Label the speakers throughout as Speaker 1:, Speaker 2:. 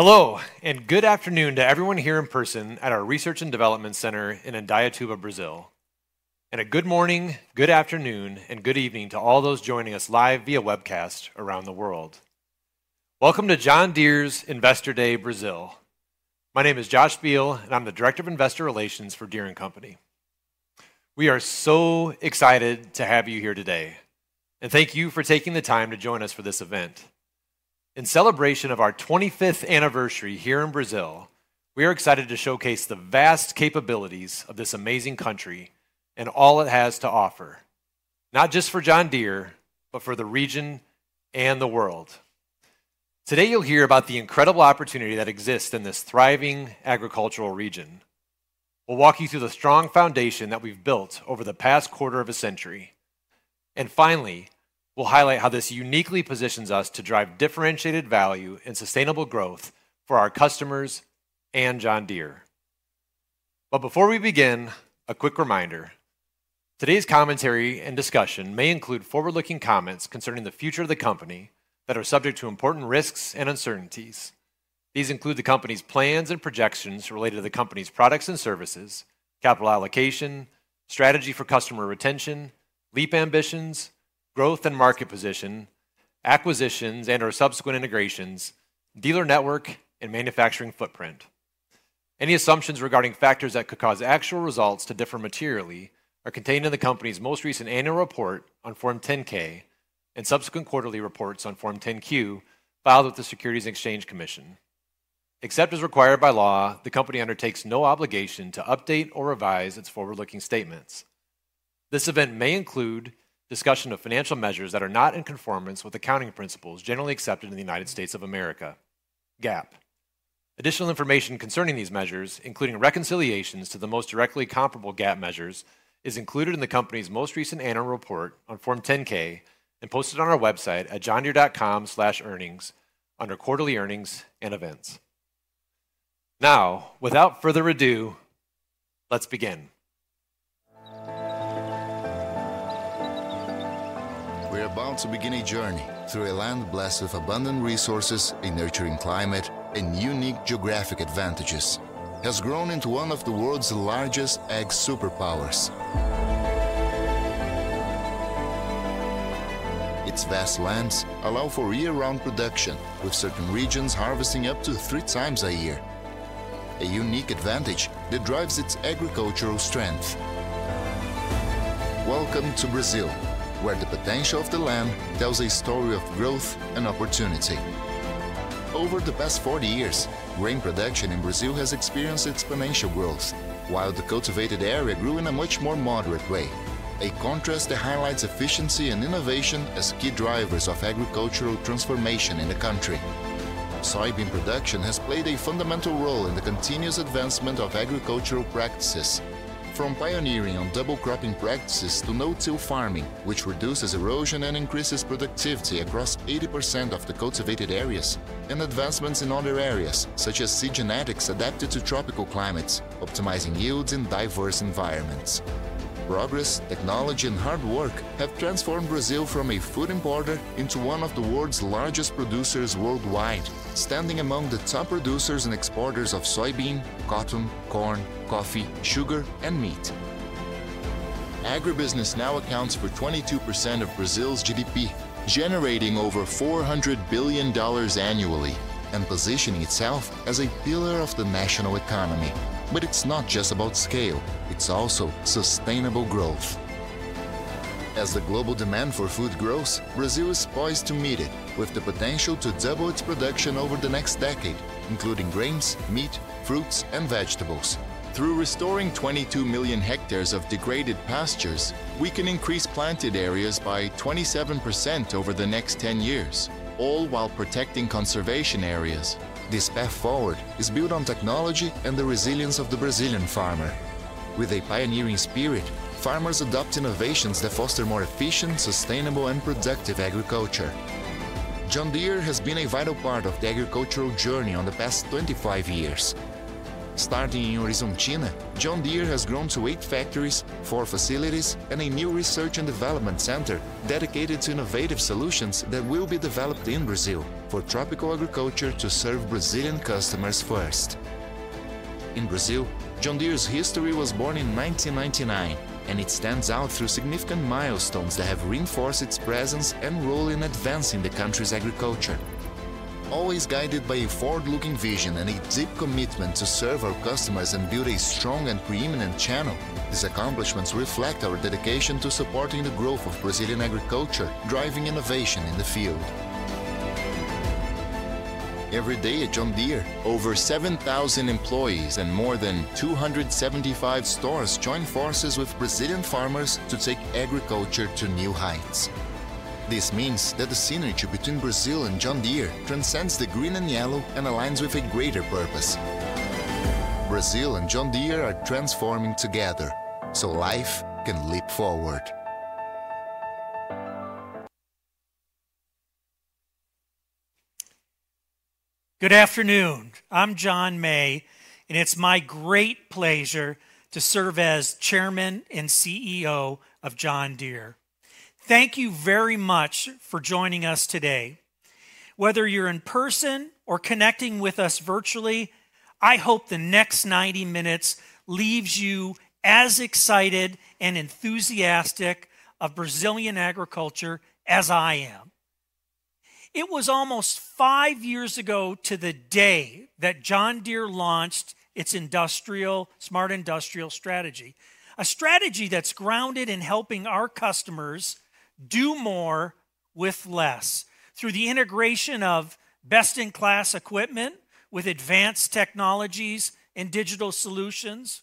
Speaker 1: Hello and good afternoon to everyone here in person at our Research and Development center in Indaiatuba, Brazil and a good morning, good afternoon and good evening to all those joining us live via webcast around the world. Welcome to John Deere's Investor Day Brazil. My name is Josh Beal and I'm the Director of Investor Relations for Deere & Company. We are so excited to have you here today and thank you for taking the time to join us for this event in celebration of our 25th anniversary here in Brazil. We are excited to showcase the vast capabilities of this amazing country and all it has to offer not just for John Deere, but for the region and the world. Today you'll hear about the incredible opportunity that exists in this thriving agricultural region. We'll walk you through the strong foundation that we've built over the past quarter of a century. Finally, we'll highlight how this uniquely positions us to drive differentiated value and sustainable growth for our customers and John Deere. Before we begin, a quick reminder. Today's commentary and discussion may include forward-looking comments concerning the future of the Company that are subject to important risks and uncertainties. These include the Company's plans and projections related to the Company's products and services, capital allocation strategy for customer retention, leap ambitions, growth and market position, acquisitions and or subsequent integrations, dealer network and manufacturing footprint. Any assumptions regarding factors that could cause actual results to differ materially are contained in the Company's most recent annual report on Form 10-K and subsequent quarterly reports on Form 10-Q filed with the Securities and Exchange Commission. Except as required by law, the Company undertakes no obligation to update or revise its forward-looking statements. This event may include discussion of financial measures that are not in conformance with accounting principles generally accepted in the United States of America, GAAP. Additional information concerning these measures, including reconciliations to the most directly comparable GAAP measures, is included in the Company's most recent annual report on Form 10-K and posted on our website at johndeere.com/earnings under quarterly earnings and events. Now, without further ado, let's begin. We're about to begin a journey through a land blessed with abundant resources, a nurturing climate, and unique geographic advantages that has grown into one of the world's largest ag superpowers. Its vast lands allow for year-round production, with certain regions harvesting up to three times a year, a unique advantage that drives its agricultural strength. Welcome to Brazil, where the potential of the land tells a story of growth and opportunity. Over the past 40 years, grain production in Brazil has experienced exponential growth, while the cultivated area grew in a much more moderate way. A contrast that highlights efficiency and innovation as key drivers of agricultural transformation in the country. Soybean production has played a fundamental role in the continuous advancement of agricultural practices. From pioneering on double cropping practices to no-till farming, which reduces erosion and increases productivity across 80% of the cultivated areas. Advancements in other areas, such as seed genetics, adapted to tropical climates, optimizing yields in diverse environments. Progress, technology and hard work have transformed Brazil from a food importer into one of the world's largest producers worldwide. Standing among the top producers and exporters of soybean, cotton, corn, coffee, sugar and meat. Agribusiness now accounts for 22% of Brazil's GDP, generating over $400 billion annually and positioning itself as a pillar of the national economy. It is not just about scale. It is also sustainable growth. As the global demand for food grows, Brazil is poised to meet it with the potential to double its production over the next decade, including grains, meat, fruits and vegetables. Through restoring 22 million hectares of degraded pastures, we can increase planted areas by 27% over the next 10 years, all while protecting conservation areas. This path forward is built on technology and the resilience of the Brazilian farmer. With a pioneering spirit, farmers adopt innovations that foster more efficient, sustainable, and productive agriculture. John Deere has been a vital part of the agricultural journey over the past 25 years. Starting in Horizontina, John Deere has grown to eight factories, four facilities, and a new research and development center dedicated to innovative solutions that will be developed in Brazil for tropical agriculture to serve Brazilian customers. First in Brazil, John Deere's history was born in 1999, and it stands out through significant milestones that have reinforced its presence and role in advancing the country's agriculture. Always guided by a forward-looking vision and a deep commitment to serve our customers and build a strong and preeminent channel. These accomplishments reflect our dedication to supporting the growth of Brazilian agriculture, driving innovation in the field. Every day at John Deere, over 7,000 employees and more than 275 stores join forces with Brazilian farmers to take agriculture to new heights. This means that the synergy between Brazil and John Deere transcends the green and yellow and aligns with a greater purpose. Brazil and John Deere are transforming together so life can leap forward.
Speaker 2: Good afternoon, I'm John May and it's my great pleasure to serve as Chairman and CEO of John Deere. Thank you very much for joining us today. Whether you're in person or connecting with us virtually, I hope the next 90 minutes leaves you as excited and enthusiastic of Brazilian agriculture as I am. It was almost five years ago to the day that John Deere launched its smart industrial strategy. A strategy that's grounded in helping our customers do more with less through the integration of best-in-class equipment with advanced technologies and digital solutions.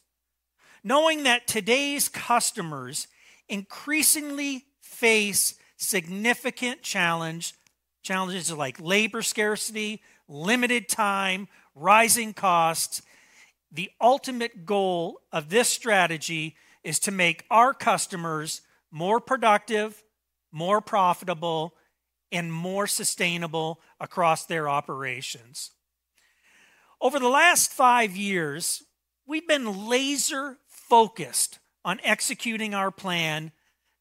Speaker 2: Knowing that today's customers increasingly face significant challenge. Challenges like labor scarcity, limited time, rising costs, the ultimate goal of this strategy is to make our customers more productive, more profitable, and more sustainable across their operations. Over the last five years we've been laser focused on executing our plan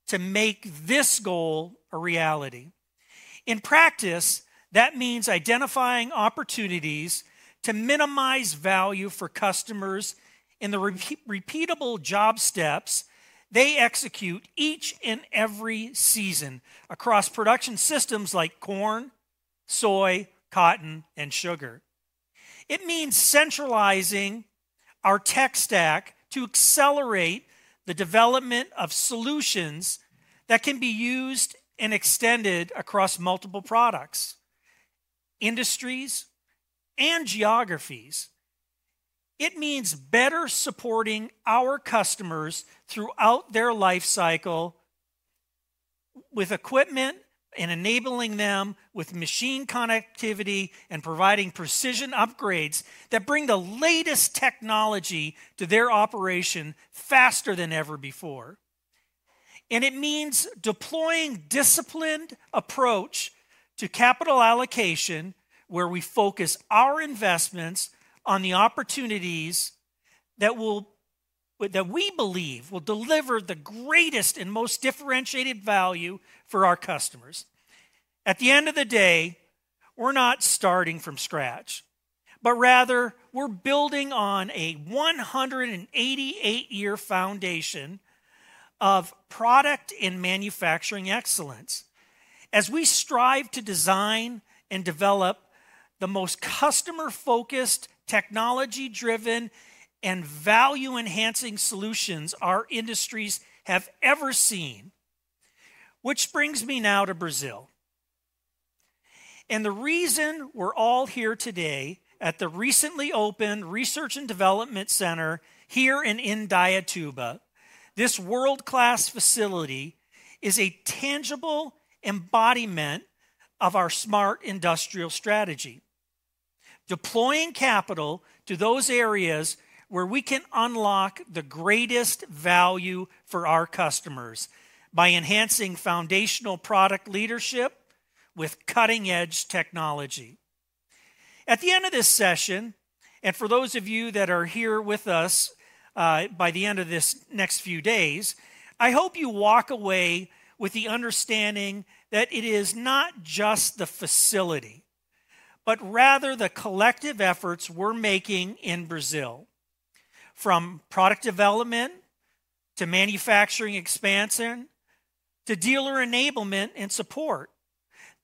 Speaker 2: to make this goal a reality. In practice, that means identifying opportunities to minimize value for customers and in the repeatable job steps they execute each and every season across production systems like corn, soy, cotton and sugar. It means centralizing our tech stack to accelerate the development of solutions that can be used and extended across multiple products, industries and geographies. It means better supporting our customers throughout their life cycle with equipment and enabling them with machine connectivity and providing precision upgrades that bring the latest technology to their operation faster than ever before. It means deploying disciplined approach to capital allocation where we focus our investments on the opportunities that we believe will deliver the greatest and most differentiated value for our customers. At the end of the day, we're not starting from scratch, but rather we're building on a 188 year foundation of product and manufacturing excellence as we strive to design and develop the most customer focused, technology driven and value enhancing solutions our industries have ever seen. Which brings me now to Brazil and the reason we're all here today at the recently opened Research and Development center here in Indaiatuba. This world class facility is a tangible embodiment of our smart industrial strategy. Deploying capital to those areas where we can unlock the greatest value for our customers by enhancing foundational product leadership with cutting edge technology. At the end of this session, and for those of you that are here with us by the end of this next few days, I hope you walk away with the understanding that it is not just the facility, but rather the collective efforts we're making in Brazil. From product development to manufacturing expansion to dealer enablement and support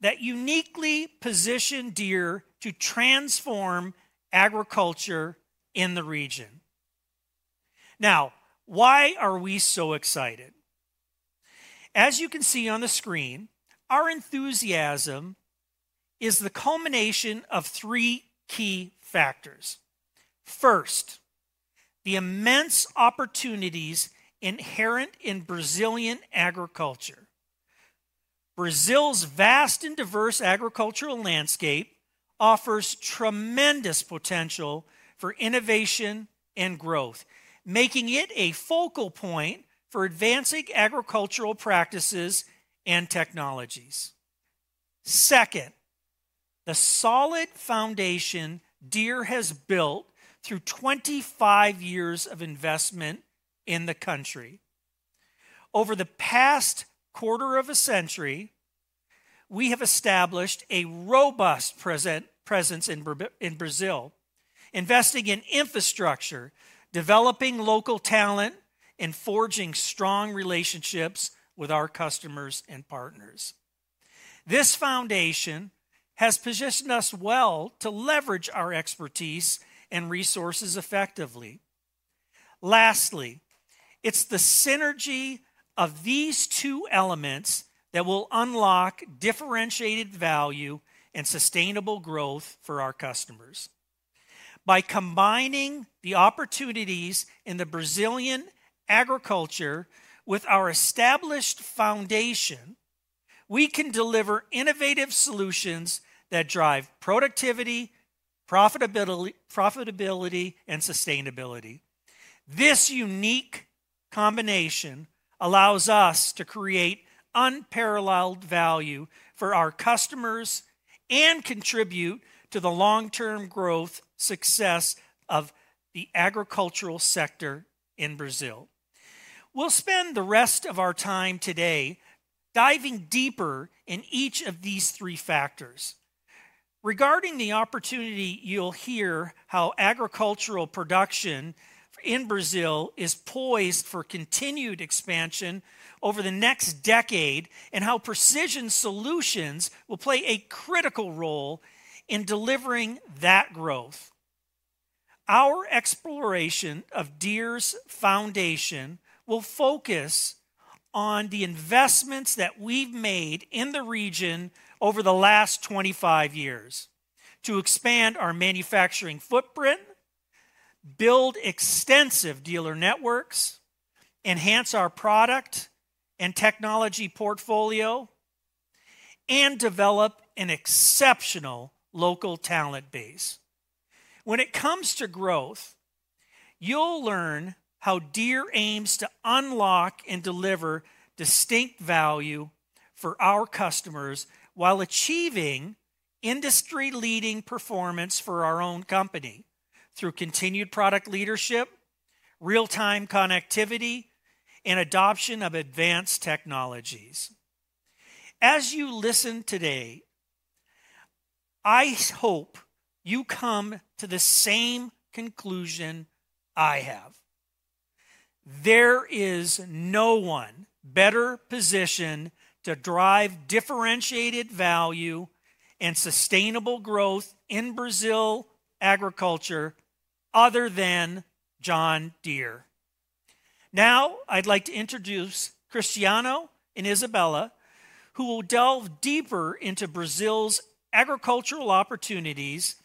Speaker 2: that uniquely position Deere to transform agriculture in the region. Now, why are we so excited? As you can see on the screen, our enthusiasm is the culmination of three key factors. First, the immense opportunities inherent in Brazilian agriculture. Brazil's vast and diverse agricultural landscape offers tremendous potential for innovation and growth, making it a focal point for advancing agricultural practices and technologies. Second, the solid foundation Deere has built through 25 years of investment in the country. Over the past quarter of a century, we have established a robust presence in Brazil, investing in infrastructure, developing local talent, and forging strong relationships with our customers and partners. This foundation has positioned us well to leverage our expertise and resources effectively. Lastly, it is the synergy of these two elements that will unlock differentiated value and sustainable growth for our customers. By combining the opportunities in the Brazilian agriculture with our established foundation, we can deliver innovative solutions that drive productivity, profitability, and sustainability. This unique combination allows us to create unparalleled value for our customers and contribute to the long-term growth success of the agricultural sector in Brazil. We will spend the rest of our time today diving deeper in each of these three factors regarding the opportunity. You'll hear how agricultural production in Brazil is poised for continued expansion over the next decade and how precision solutions will play a critical role in delivering that growth. Our exploration of Deere's foundation will focus on the investments that we've made in the region over the last 25 years to expand our manufacturing footprint, build extensive dealer networks, enhance our product and technology portfolio, and develop an exceptional local talent base when it comes to growth. You'll learn how Deere aims to unlock and deliver distinct value for our customers while achieving industry-leading performance for our own company through continued product leadership, real-time connectivity, and adoption of advanced technologies. As you listen today, I hope you come to the same conclusion I have. There is no one better positioned to drive differentiated value and sustainable growth in Brazil agriculture other than John Deere. Now I'd like to introduce Cristiano and Isabella who will delve deeper into Brazil's agricultural opportunities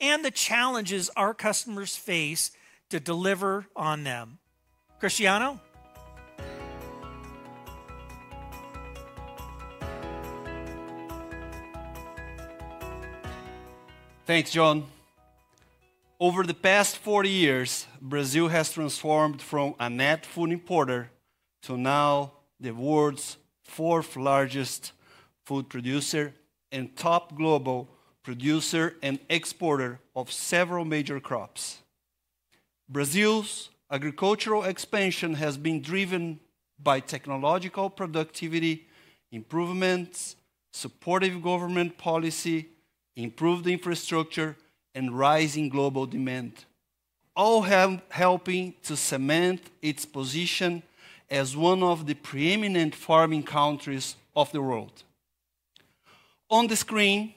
Speaker 2: and the challenges our customers face to deliver on them. Cristiano. Thanks John. Over the past 40 years, Brazil has transformed from a net food importer to now the world's fourth largest food producer and top global producer and exporter of several major crops. Brazil's agricultural expansion has been driven by technological productivity improvements, supportive government policy, improved infrastructure, and rising global demand, all helping to cement its position as one of the preeminent farming countries of the world. On the screen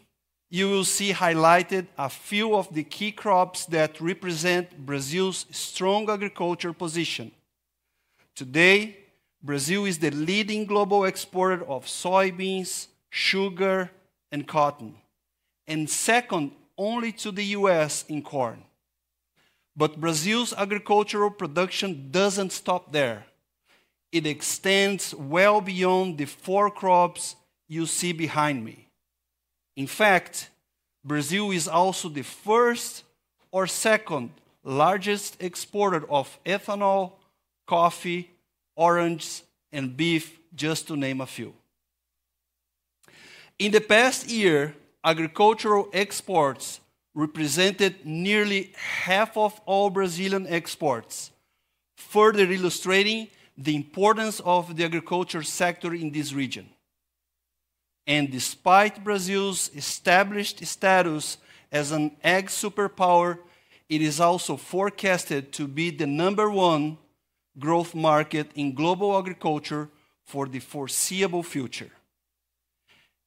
Speaker 2: you will see highlighted a few of the key crops that represent Brazil's strong agriculture position. Today, Brazil is the leading global exporter of soybeans, sugar, and cotton and second only to the U.S. in corn. Brazil's agricultural production does not stop there. It extends well beyond the four crops you see behind me. In fact, Brazil is also the first or second largest exporter of ethanol, coffee, orange, and beef, just to name a few. In the past year, agricultural exports represented nearly half of all Brazilian exports, further illustrating the importance of the agriculture sector in this region. Despite Brazil's established status as an ag superpower, it is also forecasted to be the number one growth market in global agriculture for the foreseeable future.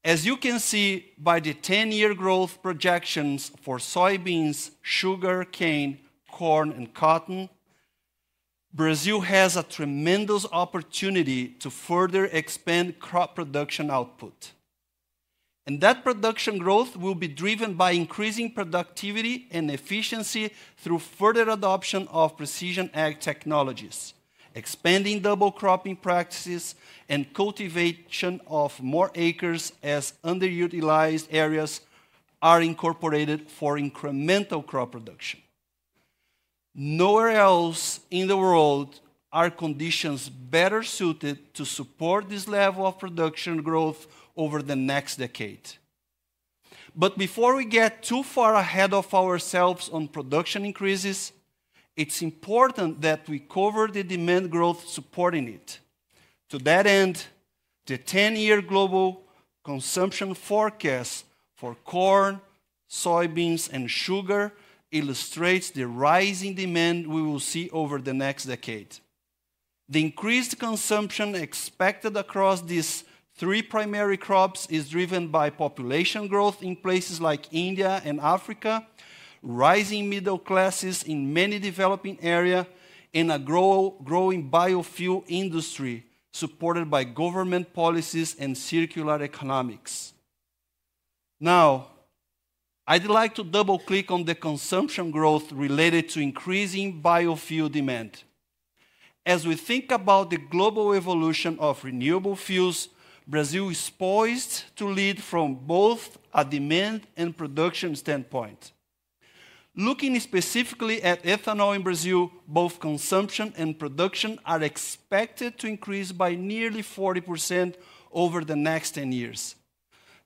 Speaker 2: As you can see by the 10-year growth projections for soybeans, sugar cane, corn, and cotton, Brazil has a tremendous opportunity to further expand crop production output. That production growth will be driven by increasing productivity and efficiency through further adoption of precision ag technologies, expanding double cropping practices, and cultivation of more acres as underutilized areas are incorporated for incremental crop production. Nowhere else in the world are conditions better suited to support this level of production growth over the next decade. Before we get too far ahead of ourselves on production increases, it's important that we cover the demand growth supporting it. To that end, the 10-year global consumption forecast for corn, soybeans, and sugar illustrates the rising demand we will see over the next decade. The increased consumption expected across these three primary crops is driven by population growth in places like India and Africa, rising middle classes in many developing areas, and a growing biofuel industry supported by government policies and circular economics. Now, I'd like to double click on the consumption growth related to increasing biofuel demand. As we think about the global evolution of renewable fuels, Brazil is poised to lead from both a demand and production standpoint. Looking specifically at ethanol in Brazil, both consumption and production are expected to increase by nearly 40% over the next 10 years.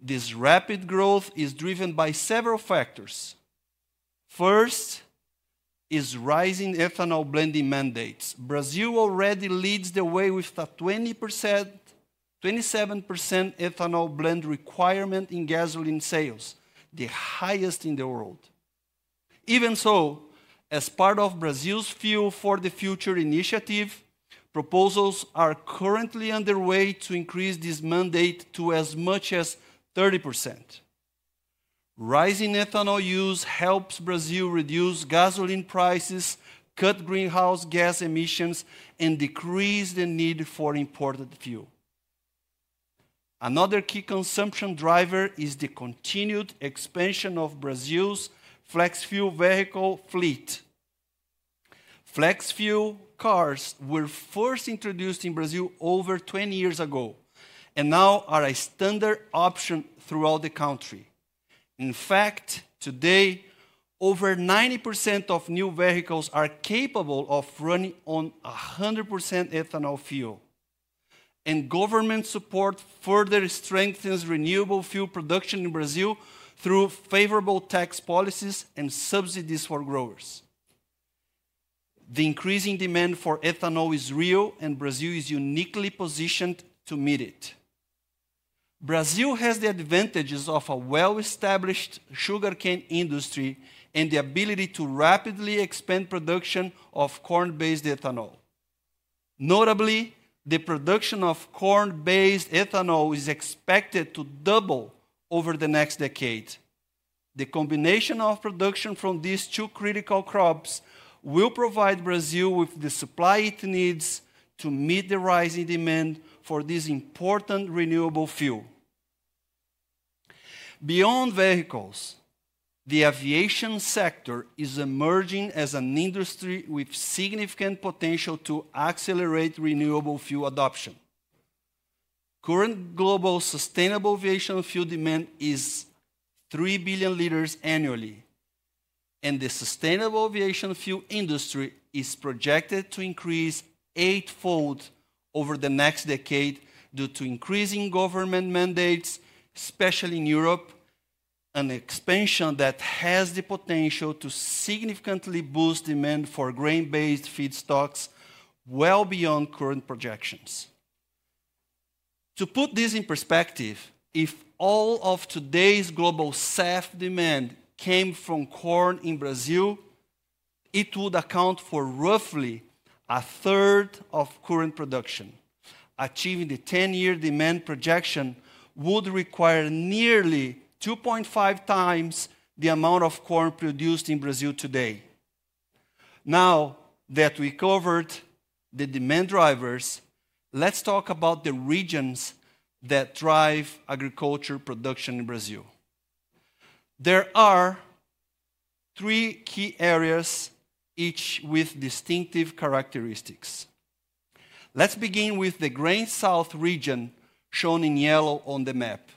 Speaker 2: This rapid growth is driven by several factors. First is rising ethanol blending mandates. Brazil already leads the way with a 27% ethanol blend requirement in gasoline sales, the highest in the world. Even so, as part of Brazil's Fuel for the Future initiative, proposals are currently underway to increase this mandate to as much as 30%. Rising ethanol use helps Brazil reduce gasoline prices, cut greenhouse gas emissions and decrease the need for imported fuel. Another key consumption driver is the continued expansion of Brazil's flex fuel vehicle fleet. Flex fuel cars were first introduced in Brazil over 20 years ago and now are a standard option throughout the country. In fact, today over 90% of new vehicles are capable of running on 100% ethanol fuel. Government support further strengthens renewable fuel production in Brazil through favorable tax policies and subsidies for growers. The increasing demand for ethanol is real and Brazil is uniquely positioned to meet it. Brazil has the advantages of a well-established sugarcane industry and the ability to rapidly expand production of corn-based ethanol. Notably, the production of corn-based ethanol is expected to double over the next decade. The combination of production from these two critical crops will provide Brazil with the supply it needs to meet the rising demand for this important renewable fuel. Beyond vehicles, the aviation sector is emerging as an industry with significant potential to accelerate renewable fuel adoption. Current global sustainable aviation fuel demand is 3 billion liters annually and the sustainable aviation fuel industry is projected to increase eightfold over the next decade due to increasing government mandates, especially in Europe. An expansion that has the potential to significantly boost demand for grain based feedstocks well beyond current projections. To put this in perspective, if all of today's global SAF demand came from corn in Brazil, it would account for roughly a third of current production. Achieving the 10 year demand projection would require nearly 2.5 times the amount of corn produced in Brazil today. Now that we covered the demand drivers, let's talk about the regions that drive agriculture production in Brazil. There are three key areas, each with distinctive characteristics. Let's begin with the Grain South Region shown in yellow on the map.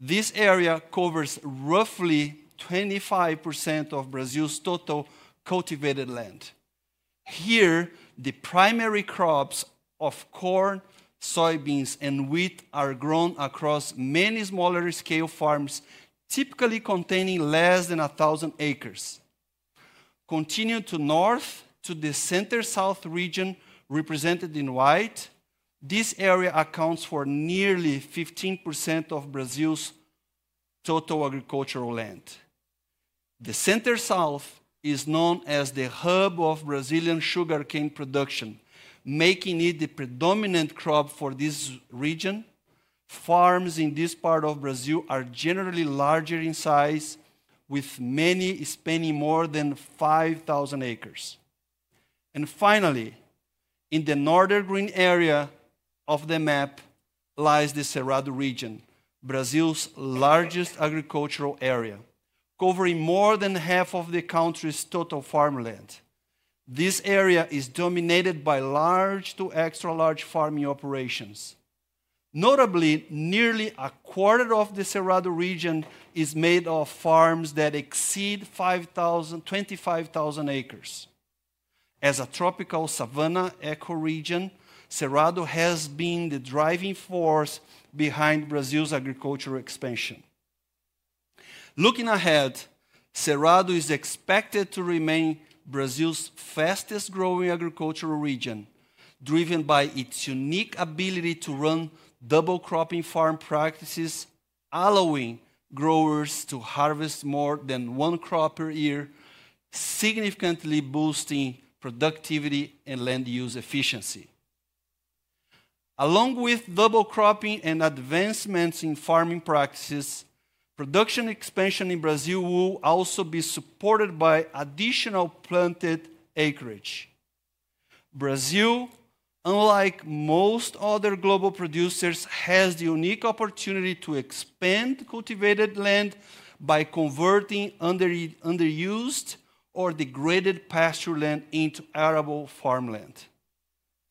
Speaker 2: This area covers roughly 25% of Brazil's total cultivated land. Here, the primary crops of corn, soybeans, and wheat are grown across many smaller scale farms, typically containing less than 1,000 acres. Continue to north to the Center South Region, represented in white. This area accounts for nearly 15% of Brazil's total agricultural land. The center south is known as the hub of Brazilian sugarcane production, making it the predominant crop for this region. Farms in this part of Brazil are generally larger in size, with many spanning more than 5,000 acres. Finally, in the northern green area of the map lies the Cerrado region, Brazil's largest agricultural area. Covering more than half of the country's total farmland, this area is dominated by large to extra large farming operations. Notably, nearly a quarter of the Cerrado region is made of farms that exceed 5,000-25,000 acres. As a tropical savanna ecoregion, Cerrado has been the driving force behind Brazil's agricultural expansion. Looking ahead, Cerrado is expected to remain Brazil's fastest growing agricultural region, driven by its unique ability to run double cropping farm practices, allowing growers to harvest more than one crop per year, significantly boosting productivity and land use efficiency. Along with double cropping and advancements in farming practices, production expansion in Brazil will also be supported by additional planted acreage. Brazil, unlike most other global producers, has the unique opportunity to expand cultivated land by converting underused or degraded pasture land into arable farmland.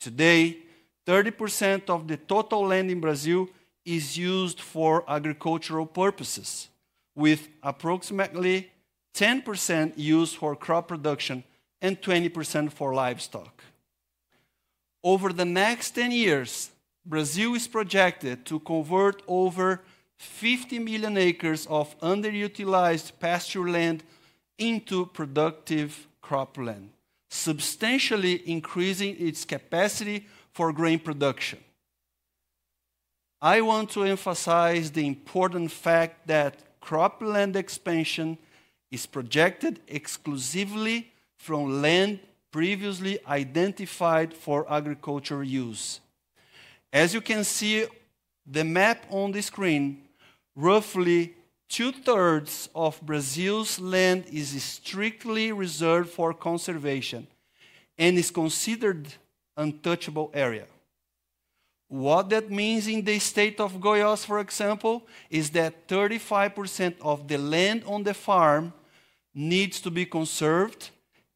Speaker 2: Today, 30% of the total land in Brazil is used for agricultural purposes, with approximately 10% used for crop production and 20% for livestock. Over the next 10 years, Brazil is projected to convert over 50 million acres of underutilized pasture land into productive cropland, substantially increasing its capacity for grain production. I want to emphasize the important fact that cropland expansion is projected exclusively from land previously identified for agriculture use. As you can see the map on the screen, roughly two thirds of Brazil's land is strictly reserved for conservation and is considered untouchable area. What that means in the state of Goiás, for example, is that through 35% of the land on the farm needs to be conserved,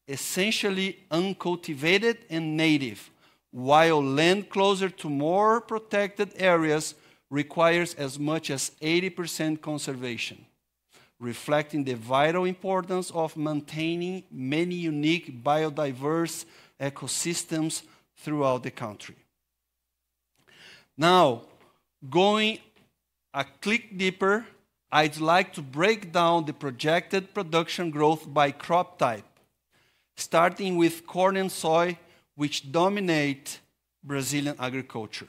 Speaker 2: essentially uncultivated and native, while land closer to more protected areas requires as much as 80% conservation, reflecting the vital importance of maintaining many unique biodiverse ecosystems throughout the country. Now, going a click deeper, I'd like to break down the projected production growth by crop type, starting with corn and soy, which dominate Brazilian agriculture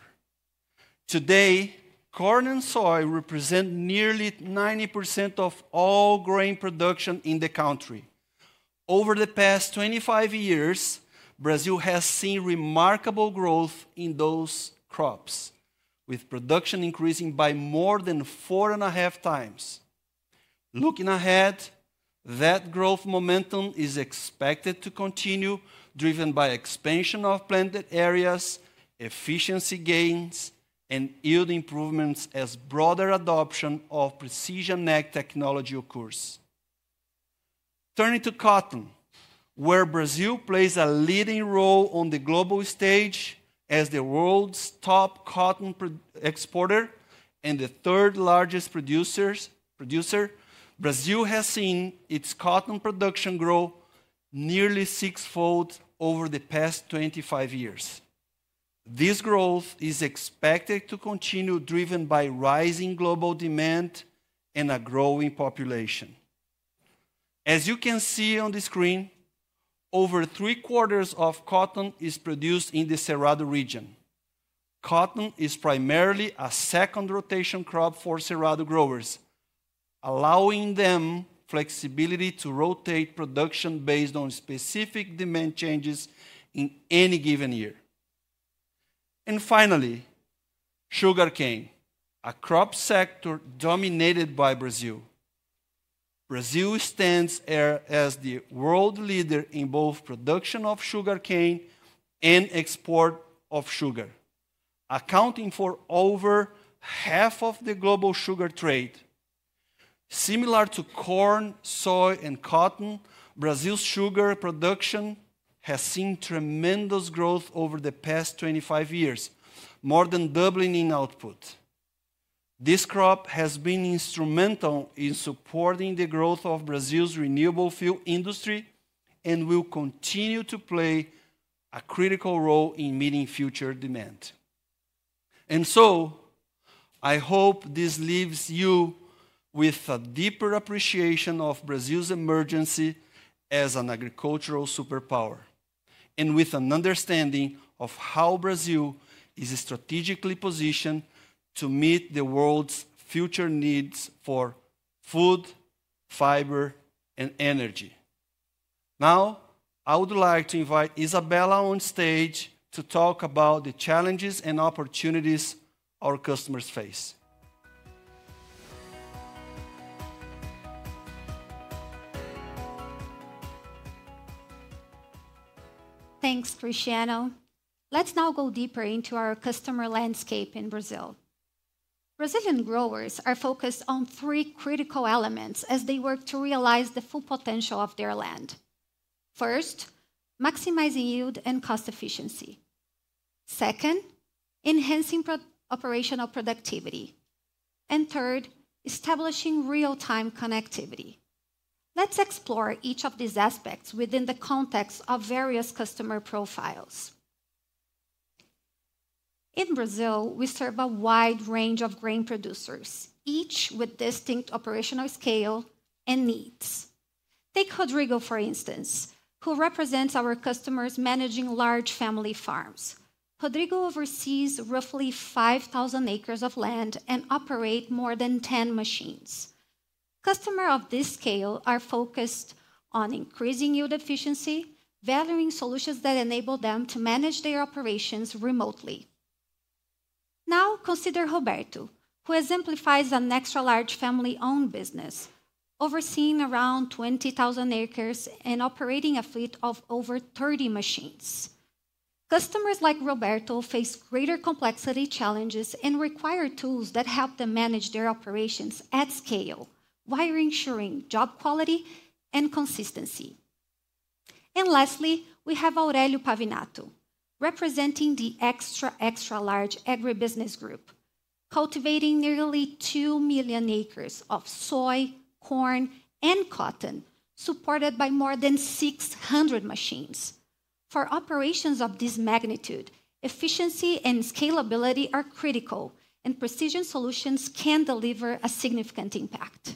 Speaker 2: today. Corn and soy represent nearly 90% of all grain production in the country. Over the past 25 years, Brazil has seen remarkable growth in those crops, with production increasing by more than four and a half times. Looking ahead, that growth momentum is expected to continue, driven by expansion of planted areas, efficiency gains, and yield improvements as broader adoption of precision technology occurs. Turning to cotton, where Brazil plays a leading role on the global stage. As the world's top cotton exporter and the third largest producer, Brazil has seen its cotton production grow nearly sixfold over the past 25 years. This growth is expected to continue, driven by rising global demand and a growing population. As you can see on the screen, over three quarters of cotton is produced in the Cerrado region. Cotton is primarily a second rotation crop for Cerrado growers, allowing them flexibility to rotate production based on specific demand changes in any given year. Finally, sugarcane, a crop sector dominated by Brazil. Brazil stands as the world leader in both production of sugarcane and export of sugar, accounting for over half of the global sugar trade. Similar to corn, soy and cotton, Brazil's sugar production has seen tremendous growth over the past 25 years, more than doubling in output. This crop has been instrumental in supporting the growth of Brazil's renewable fuel industry and will continue to play a critical role in meeting future demand. I hope this leaves you with a deeper appreciation of Brazil's emergence as an agricultural superpower and with an understanding of how Brazil is strategically positioned to meet the world's future needs for food, fiber and energy. Now, I would like to invite Isabella on stage to talk about the challenges and opportunities our customers face. Thanks Cristiano, let's now go deeper into our customer landscape. In Brazil, Brazilian growers are focused on three critical elements as they work to realize the full potential of their land. First, maximizing yield and cost efficiency. Second, enhancing operational productivity, and third, establishing real time connectivity. Let's explore each of these aspects within the context of various customer profiles. In Brazil, we serve a wide range of grain producers, each with distinct operational scale and needs. Take Rodrigo for instance, who represents our customers managing large family farms. Rodrigo oversees roughly 5,000 acres of land and operates more than 10 machines. Customers of this scale are focused on increasing yield efficiency, valuing solutions that enable them to manage their operations remotely. Now consider Roberto, who exemplifies an extra large family owned business overseeing around 20,000 acres and operating a fleet of over 30 machines. Customers like Roberto face greater complexity challenges and require tools that help them manage their operations at scale while ensuring job quality and consistency. Lastly, we have Aurelio Pavinato representing the Extra Extra Large Agribusiness group, cultivating nearly 2 million acres of soy, corn, and cotton supported by more than 600 machines. For operations of this magnitude, efficiency and scalability are critical and precision solutions can deliver a significant impact.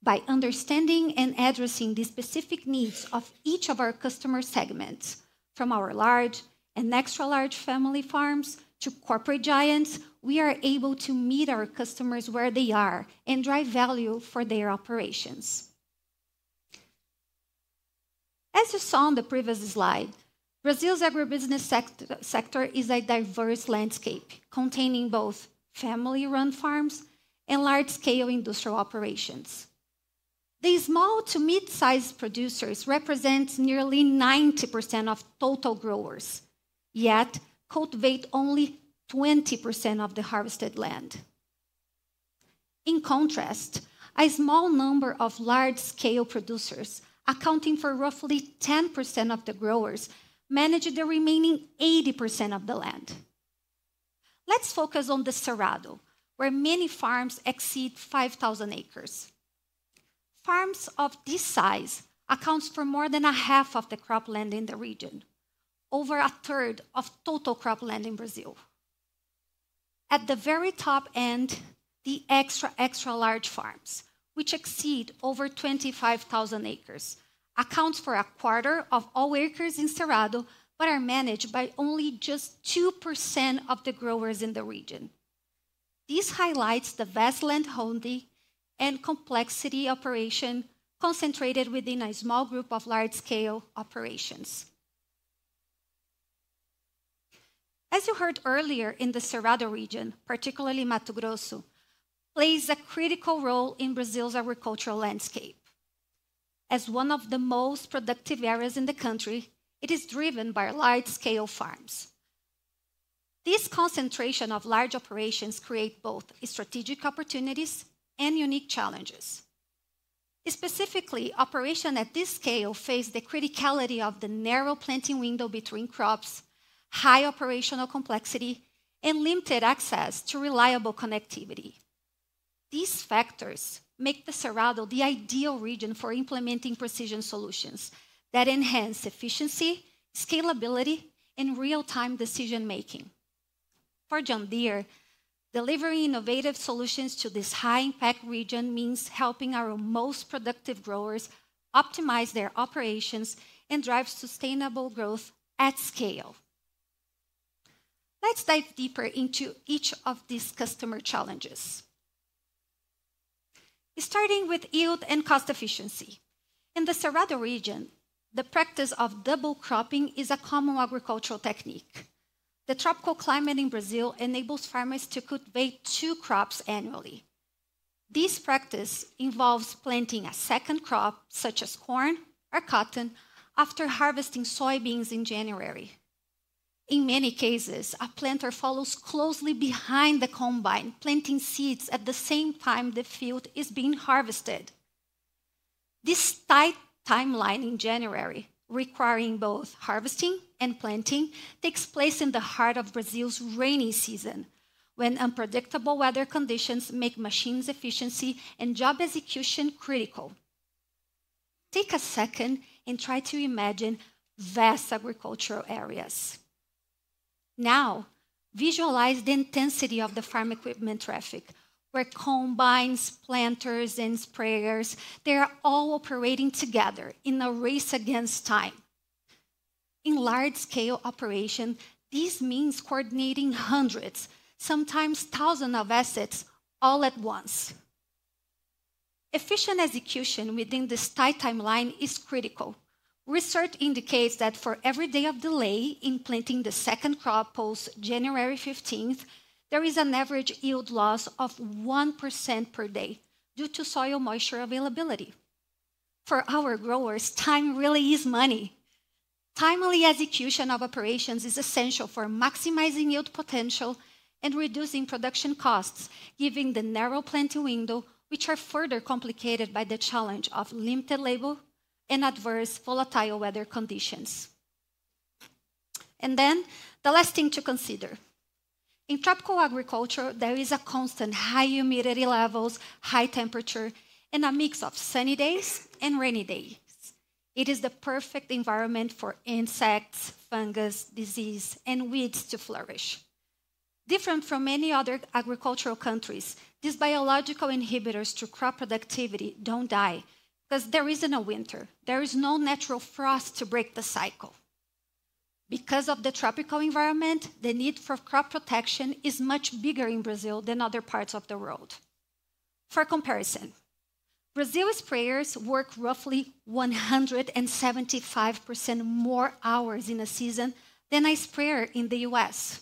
Speaker 2: By understanding and addressing the specific needs of each of our customer segments, from our large and extra large family farms to corporate giants, we are able to meet our customers where they are and drive value for their operations. As you saw on the previous slide, Brazil's agribusiness sector is a diverse landscape containing both family run farms and large scale industrial operations. These small to mid-sized producers represent nearly 90% of total growers, yet cultivate only 20% of the harvested land. In contrast, a small number of large-scale producers, accounting for roughly 10% of the growers, manage the remaining 80% of the land. Let's focus on the Cerrado where many farms exceed 5,000 acres. Farms of this size account for more than half of the cropland in the region, over a third of total cropland in Brazil. At the very top end, the extra-extra-large farms, which exceed 25,000 acres, account for a quarter of all acres in the Cerrado, but are managed by only 2% of the growers in the region. This highlights the vast landholding and complexity of operation concentrated within a small group of large-scale operations. As you heard earlier, the Cerrado region, particularly Mato Grosso, plays a critical role in Brazil's agricultural landscape. As one of the most productive areas in the country, it is driven by large-scale farms. This concentration of large operations creates both strategic opportunities and unique challenges. Specifically, operations at this scale face the criticality of the narrow planting window between crops, high operational complexity, and limited access to reliable connectivity. These factors make the Cerrado the ideal region for implementing precision solutions that enhance efficiency, scalability, and real-time decision making. For John Deere, delivering innovative solutions to this high-impact region means helping our most productive growers optimize their operations and drive sustainable growth at scale. Let's dive deeper into each of these customer challenges, starting with yield and cost efficiency. In the Cerrado region, the practice of double cropping is a common agricultural technique. The tropical climate in Brazil enables farmers to cultivate two crops annually. This practice involves planting a second crop, such as corn or cotton, after harvesting soybeans in January. In many cases, a planter follows closely behind the combine, planting seeds at the same time the field is being harvested. This tight timeline in January, requiring both harvesting and planting, takes place in the heart of Brazil's rainy season when unpredictable weather conditions make machines, efficiency, and job execution critical. Take a second and try to imagine vast agricultural areas. Now visualize the intensity of the farm equipment traffic where combines, planters, and sprayers, they are all operating together in a race against time. In large scale operation, this means coordinating hundreds, sometimes thousands, of assets all at once. Efficient execution within this tight timeline is critical. Research indicates that for every day of delay in planting the second crop post January 15, there is an average yield loss of 1% per day due to soil moisture availability. For our growers, time really is money. Timely execution of operations is essential for maximizing yield potential and reducing production costs. Given the narrow planting window, which is further complicated by the challenge of limited labor and adverse volatile weather conditions. The last thing to consider in tropical agriculture is there is a constant high humidity level, high temperature, and a mix of sunny days and rainy days. It is the perfect environment for insects, fungus, disease, and weeds to flourish. Different from many other agricultural countries, these biological inhibitors to crop productivity do not die. Because there is not a winter, there is no natural frost to break the cycle. Because of the tropical environment, the need for crop protection is much bigger in Brazil than other parts of the world. For comparison, Brazil sprayers work roughly 175% more hours in a season than a sprayer in the U.S.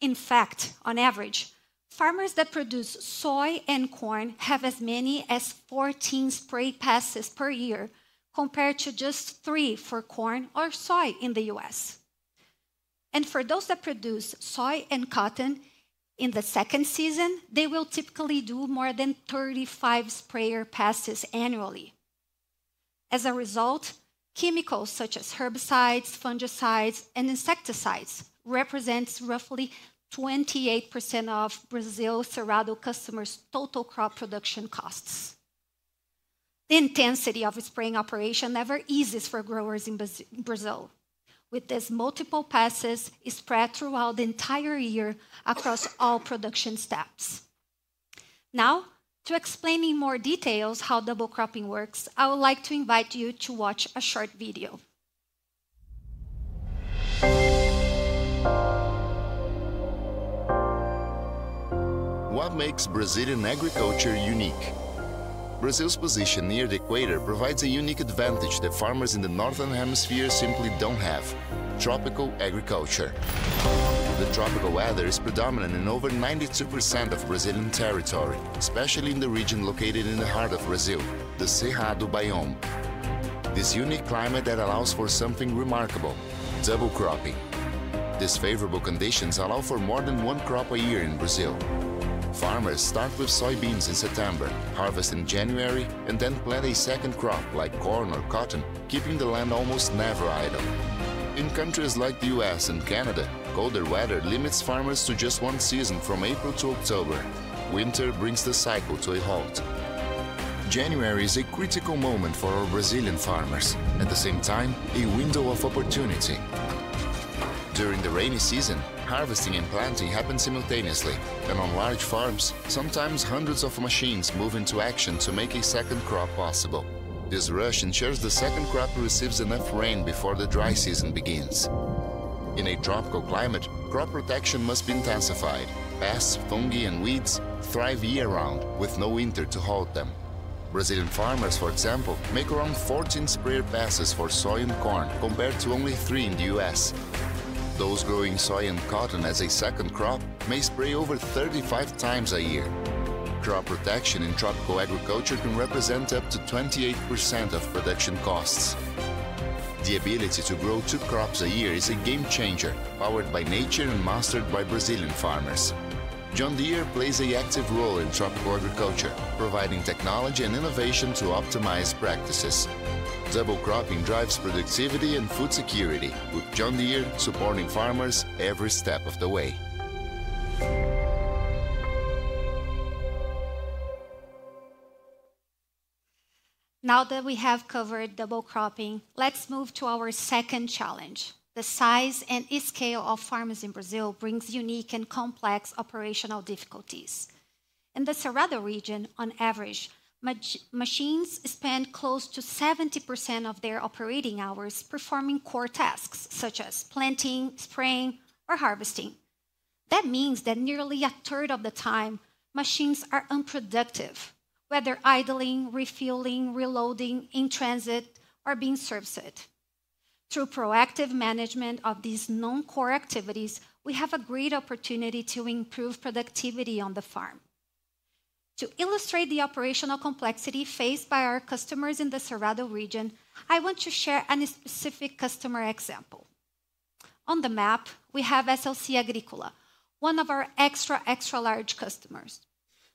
Speaker 2: In fact, on average, farmers that produce soy and corn have as many as 14 spray passes per year, compared to just three for corn or soy in the U.S. For those that produce soy and cotton in the second season, they will typically do more than 35 sprayer passes annually. As a result, chemicals such as herbicides, fungicides, and insecticides represent roughly 28% of Brazil Cerrado customers' total crop production costs. The intensity of spraying operation never eases for growers in Brazil with these multiple passes spread throughout the entire year across all production steps. Now to explain in more details how double cropping works, I would like to invite you to watch a short video. What makes Brazilian agriculture unique? Brazil's position near the equator provides a unique advantage that farmers in the Northern Hemisphere simply do not have. Tropical agriculture, the tropical weather is predominant in over 92% of Brazilian territory, especially in the region located in the heart of Brazil, the Cerrado Biome. This unique climate allows for something remarkable, double cropping. These favorable conditions allow for more than one crop a year in Brazil. Farmers start with soybeans in September, harvest in January, and then plant a second crop like corn or cotton, keeping the land almost never idle. In countries like the U.S. and Canada, colder weather limits farmers to just one season. From April to October, winter brings the cycle to a halt. January is a critical moment for our Brazilian farmers. At the same time, a window of opportunity during. During the rainy season, harvesting and planting happen simultaneously. On large farms, sometimes hundreds of machines move into action to make a second crop possible. This rush ensures the second crop receives enough rain before the dry season begins. In a tropical climate, crop protection must be intensified. Pests, fungi, and weeds thrive year round with no winter to halt them. Brazilian farmers, for example, make around 14 spraying passes for soy and corn, compared to only three in the U.S. Those growing soy and cotton as a second crop may spray over 35 times a year. Crop protection in tropical agriculture can represent up to 28% of production costs. The ability to grow two crops a year is a game changer. Powered by nature and mastered by Brazilian farmers. John Deere plays an active role in top border culture, providing technology and innovation to optimize practices. Double cropping drives productivity and food security, with John Deere supporting farmers every step of the way. Now that we have covered double cropping, let's move to our second challenge. The size and scale of farmers in Brazil brings unique and complex operational difficulties. In the Cerrado region, on average, machines spend close to 70% of their operating hours performing core tasks such as planting, spraying, or harvesting. That means that nearly a third of the time machines are unproductive, whether idling, refueling, reloading in transit, or being serviced. Through proactive management of these non-core activities, we have a great opportunity to improve productivity on the farm. To illustrate the operational complexity faced by our customers in the Cerrado region, I want to share a specific customer example. On the map, we have SLC Agrícola, one of our extra-extra-large customers.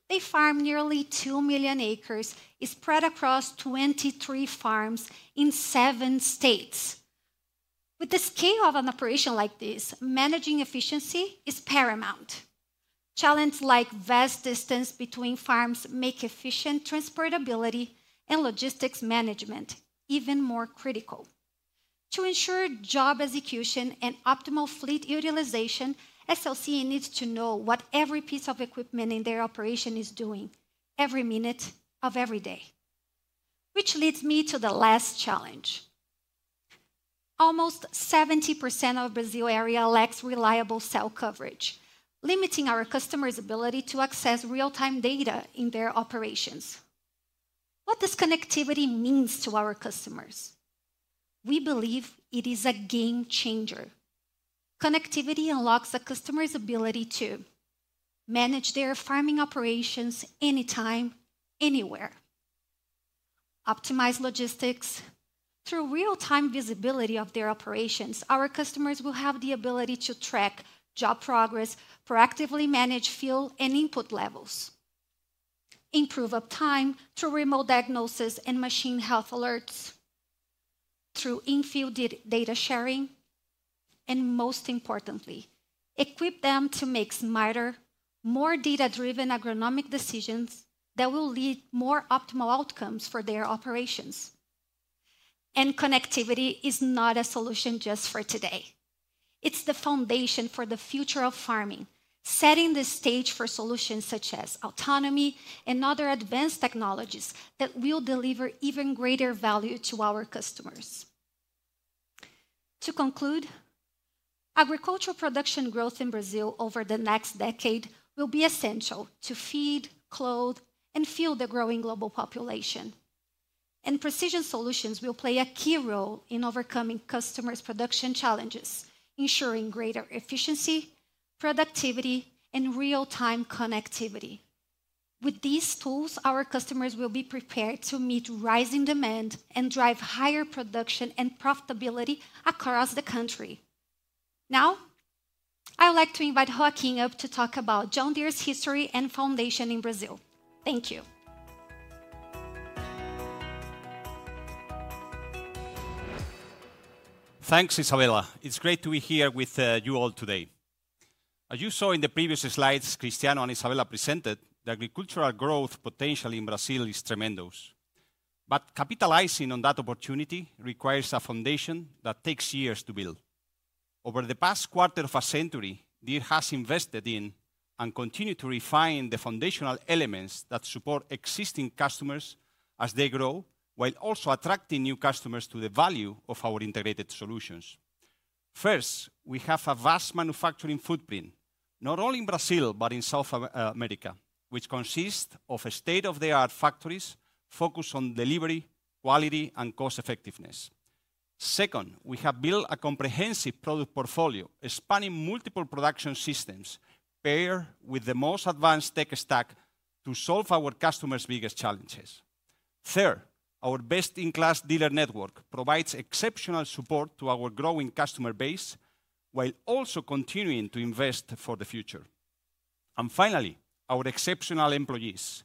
Speaker 2: They farm nearly 2 million acres spread across 23 farms in seven states. With the scale of an operation like this, managing efficiency is paramount. Challenges like vast distance between farms make efficient transportability and logistics management even more critical. To ensure job execution and optimal fleet utilization, SLC needs to know what every piece of equipment in their operation is doing every minute of every day. Which leads me to the last challenge. Almost 70% of Brazil area lacks reliable cell coverage, limiting our customers' ability to access real time data in their operations. What does connectivity mean to our customers? We believe it is a game changer. Connectivity unlocks a customer's ability to manage their farming operations anytime, anywhere, optimize logistics through real time visibility of their operations. Our customers will have the ability to track job progress, proactively manage field and input levels, improve uptime through remote diagnosis and machine health alerts through infield data sharing, and most importantly, equip them to make smarter, more data driven agronomic decisions that will lead to more optimal outcomes for their operations. Connectivity is not a solution just for today, it is the foundation for the future of farming, setting the stage for solutions such as autonomy and other advanced technologies that will deliver even greater value to our customers. To conclude, agricultural production growth in Brazil over the next decade will be essential to feed, clothe, and fuel the growing global population. Precision solutions will play a key role in overcoming customers' production challenges, ensuring greater efficiency, productivity, and real time connectivity. With these tools, our customers will be prepared to meet rising demand and drive higher production and profitability across the country. Now I'd like to invite Joaquin up to talk about John Deere's history and foundation in Brazil. Thank you. Thanks Isabela. It's great to be here with you all today. As you saw in the previous slides Cristiano and Isabela presented, the agricultural growth potential in Brazil is tremendous. Capitalizing on that opportunity requires a foundation that takes years to build. Over the past quarter of a century, Deere has invested in and continues to refine the foundational elements that support existing customers as they grow, while also attracting new customers to the value of our integrated solutions. First, we have a vast manufacturing footprint not only in Brazil, but in South America, which consists of state-of-the-art factories focused on delivery, quality, and cost effectiveness. Second, we have built a comprehensive product portfolio spanning multiple production systems paired with the most advanced tech stack to solve our customers' biggest challenges. Third, our best-in-class dealer network provides exceptional support to our growing customer base while also continuing to invest for the future. Finally, our exceptional employees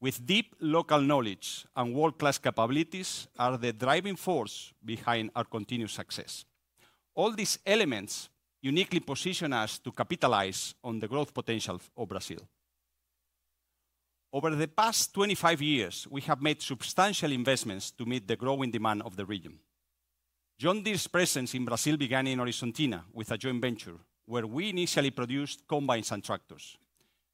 Speaker 2: with deep local knowledge and world-class capabilities are the driving force behind our continued success. All these elements uniquely position us to capitalize on the growth potential of Brazil. Over the past 25 years, we have made substantial investments to meet the growing demand of the region. John Deere's presence in Brazil began in Argentina with a joint venture where we initially produced combines and tractors.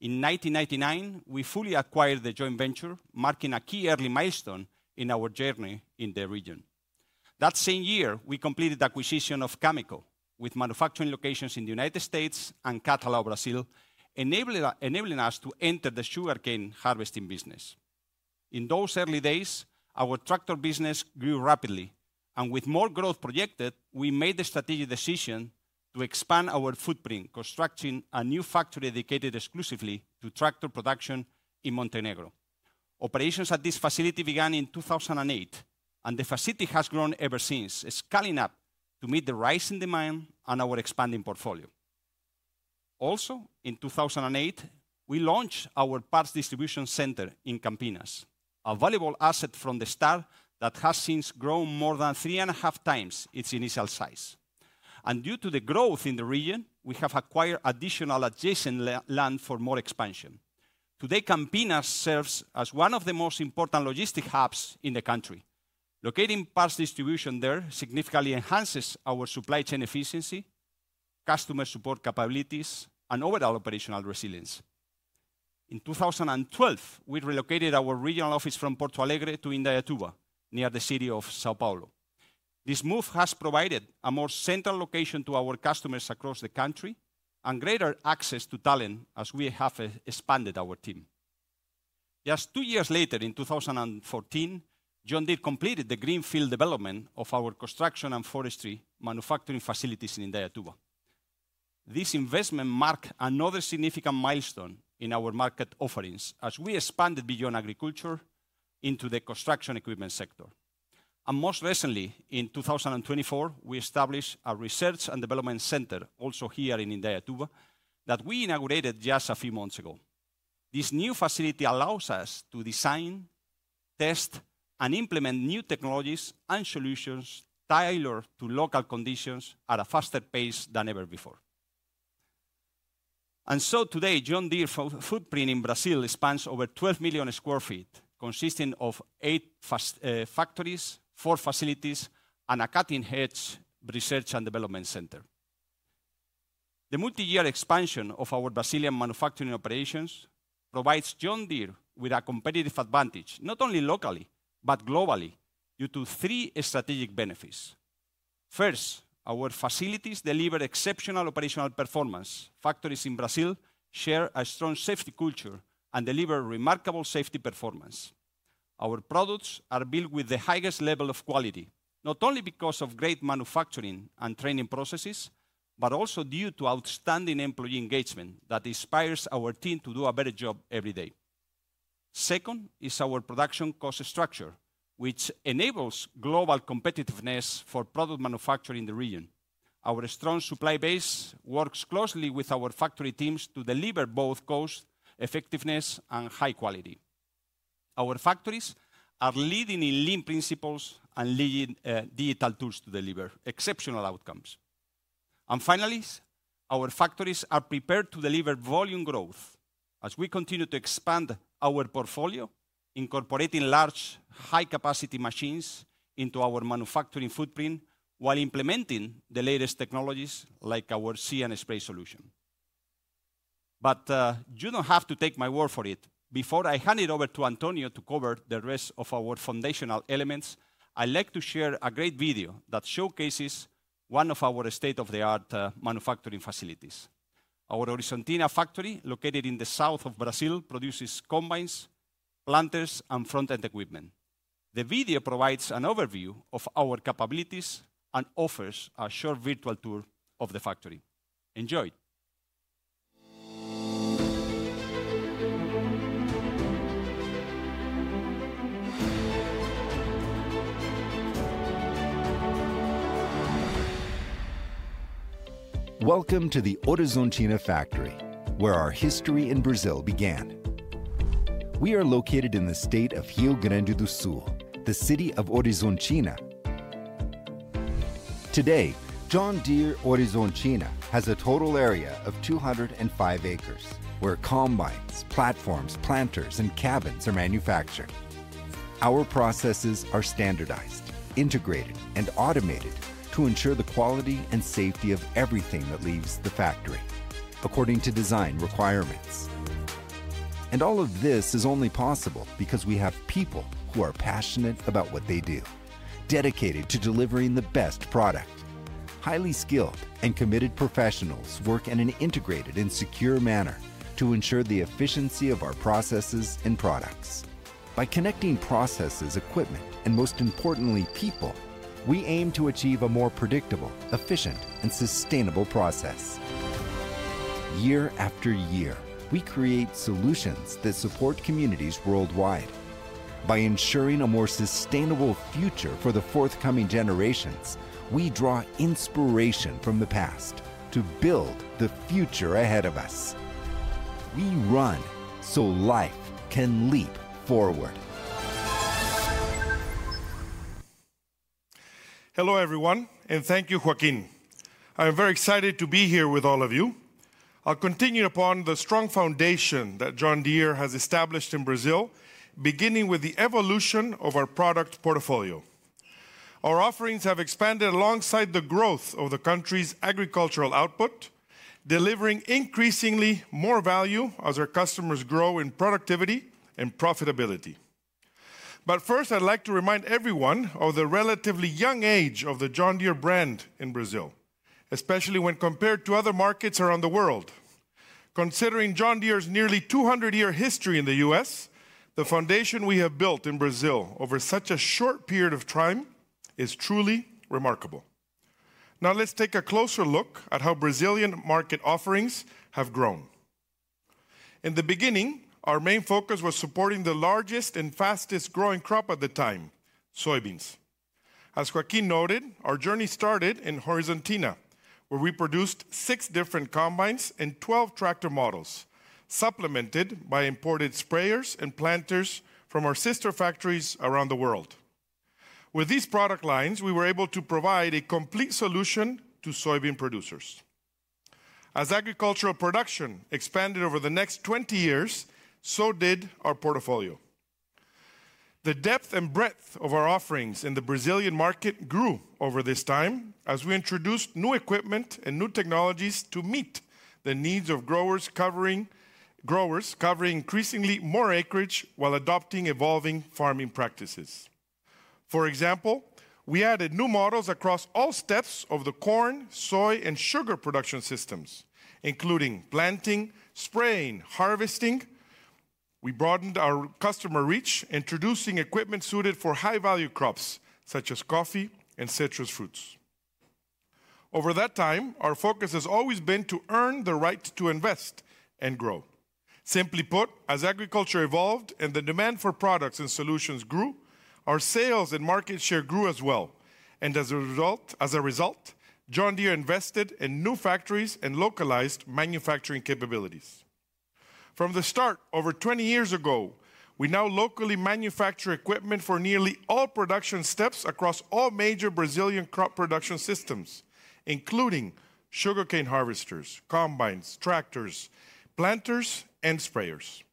Speaker 2: In 1999, we fully acquired the joint venture, marking a key early milestone in our journey in the region. That same year, we completed the acquisition of Cameco, with manufacturing locations in the United States and Catalão, Brazil, enabling us to enter the sugarcane harvesting business. In those early days, our tractor business grew rapidly and with more growth projected, we made the strategic decision to expand our footprint, constructing a new factory dedicated exclusively to tractor production in Montenegro. Operations at this facility began in 2008 and the facility has grown ever since, scaling up to meet the rising demand on our expanding portfolio. Also in 2008, we launched our parts distribution center in Campinas, a valuable asset from the start that has since grown more than three and a half times its initial size. Due to the growth in the region, we have acquired additional adjacent land for more expansion. Today, Campinas serves as one of the most important logistic hubs in the country. Locating parts distribution there significantly enhances our supply chain efficiency, customer support capabilities and overall operational resilience. In 2012, we relocated our regional office from Porto Alegre to Indaiatuba, near the city of São Paulo. This move has provided a more central location to our customers across the country and greater access to talent as we have expanded our team. Just two years later, in 2014, John Deere completed the greenfield development of our construction and forestry manufacturing facilities in Indaiatuba. This investment marked another significant milestone in our market offerings as we expanded beyond agriculture into the construction equipment sector. Most recently in 2024, we established a research and development center also here in Indaiatuba that we inaugurated just a few months ago. This new facility allows us to design, test, and implement new technologies and solutions tailored to local conditions at a faster pace than ever before. Today, John Deere's footprint in Brazil spans over 12 million sq ft, consisting of eight factories, four facilities, and a cutting edge research and development center. The multi year expansion of our Brazilian manufacturing operations provides John Deere with a competitive advantage not only locally, but globally due to three strategic benefits. First, our facilities deliver exceptional operational performance. Factories in Brazil share a strong safety culture and deliver remarkable safety performance. Our products are built with the highest level of quality, not only because of great manufacturing and training processes, but also due to outstanding employee engagement that inspires our team to do a better job every day. Second is our production cost structure which enables global competitiveness for product manufacturing in the region. Our strong supply base works closely with our factory teams to deliver both cost effectiveness and high quality. Our factories are leading in lean principles and leading digital tools to deliver exceptional outcomes. Finally, our factories are prepared to deliver volume growth as we continue to expand our portfolio, incorporating large high capacity machines into our manufacturing footprint while implementing the latest technologies like our CN Spray solution. You do not have to take my word for it. Before I hand it over to Antonio to cover the rest of our foundational elements, I would like to share a great video that showcases one of our state-of-the-art manufacturing facilities. Our Horizontina factory, located in the south of Brazil, produces combines, planters, and front end equipment. The video provides an overview of our capabilities and offers a short virtual tour of the factory. Enjoy. Welcome to the Horizontina factory where our history in Brazil began. We are located in the state of Rio Grande do Sul, the city of Horizontina. Today, John Deere Horizontina has a total area of 205 acres where combines, platforms, planters, and cabins are manufactured. Our processes are standardized, integrated, and automated to ensure the quality and safety of everything that leaves the factory according to design requirements. All of this is only possible because we have people who are passionate about what they do, dedicated to delivering the best product. Highly skilled and committed professionals work in an integrated and secure manner to ensure the efficiency of our processes and products. By connecting processes, equipment, and most importantly, people, we aim to achieve a more predictable, efficient, and sustainable process. Year after year, we create solutions that support communities worldwide by ensuring a more sustainable future for the forthcoming generations. We draw inspiration from the past to build the future ahead of us. We run so life can leap forward. Hello everyone and thank you, Joaquin. I am very excited to be here with all of you. I'll continue upon the strong foundation that John Deere has established in Brazil. Beginning with the evolution of our product portfolio, our offerings have expanded alongside the growth of the country's agricultural output, delivering increasingly more value as our customers grow in productivity and profitability. First, I'd like to remind everyone of the relatively young age of the John Deere brand in Brazil, especially when compared to other markets around the world. Considering John Deere's nearly 200 year history in the U.S., the foundation we have built in Brazil over such a short period of time is truly remarkable. Now let's take a closer look at how Brazilian market offerings have grown. In the beginning, our main focus was supporting the largest and fastest growing crop at the time, soybeans. As Joaquin noted, our journey started in Horizontina, where we produced six different combines and 12 tractor models, supplemented by imported sprayers and planters from our sister factories around the world. With these product lines, we were able to provide a complete solution to soybean producers. As agricultural production expanded over the next 20 years, so did our portfolio. The depth and breadth of our offerings in the Brazilian market grew over this time as we introduced new equipment and new technologies to meet the needs of growers covering increasingly more acreage while adopting evolving farming practices. For example, we added new models across all steps of the corn, soy and sugar production systems, including planting, spraying, harvesting. We broadened our customer reach, introducing equipment suited for high value crops such as coffee and citrus fruits over that time. Our focus has always been to earn the right to invest and grow. Simply put, as agriculture evolved and the demand for products and solutions grew, our sales and market share grew as well, and as a result, John Deere invested in new factories and localized manufacturing capabilities from the start over 20 years ago. We now locally manufacture equipment for nearly all production steps across all major Brazilian crop production systems, including sugarcane harvesters, combines, tractors, planters, and sprayers.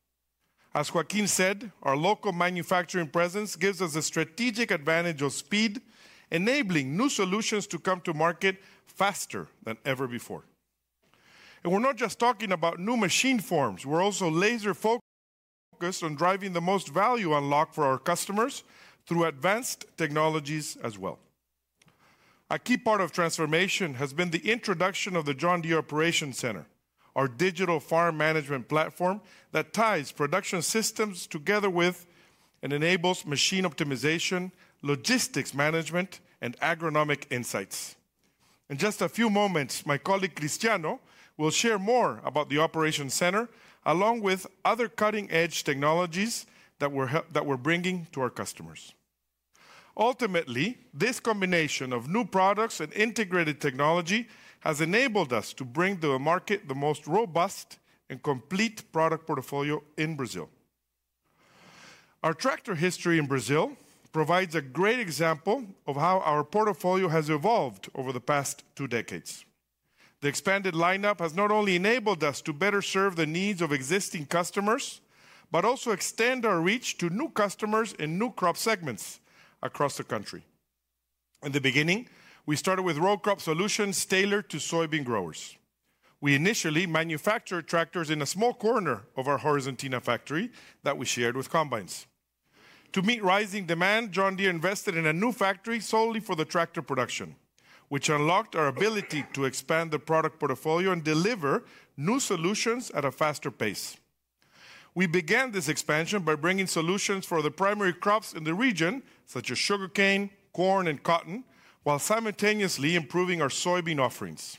Speaker 2: As Joaquin said, our local manufacturing presence gives us a strategic advantage of speed, enabling new solutions to come to market faster than ever before. We are not just talking about new machine forms. We're also laser focused on driving the most value unlock for our customers through advanced technologies as well as a key part of transformation has been the introduction of the John Deere Operations Center, our digital farm management platform that ties production systems together with and enables machine optimization, logistics management, and agronomic insights. In just a few moments, my colleague Cristiano will share more about the Operations Center along with other cutting edge technologies that we're bringing to our customers. Ultimately, this combination of new products and integrated technology has enabled us to bring to the market the most robust and complete product portfolio in Brazil. Our tractor history in Brazil provides a great example of how our portfolio has evolved over the past two decades. The expanded lineup has not only enabled us to better serve the needs of existing customers, but also extend our reach to new customers in new crop segments across the country. In the beginning, we started with Row Crop Solutions, tailored to soybean growers. We initially manufactured tractors in a small corner of our Horizontina factory that we shared with combines. To meet rising demand, John Deere invested in a new factory solely for the tractor production, which unlocked our ability to expand the product portfolio and deliver new solutions at a faster pace. We began this expansion by bringing solutions for the primary crops in the region such as sugarcane, corn, and cotton, while simultaneously improving our soybean offerings.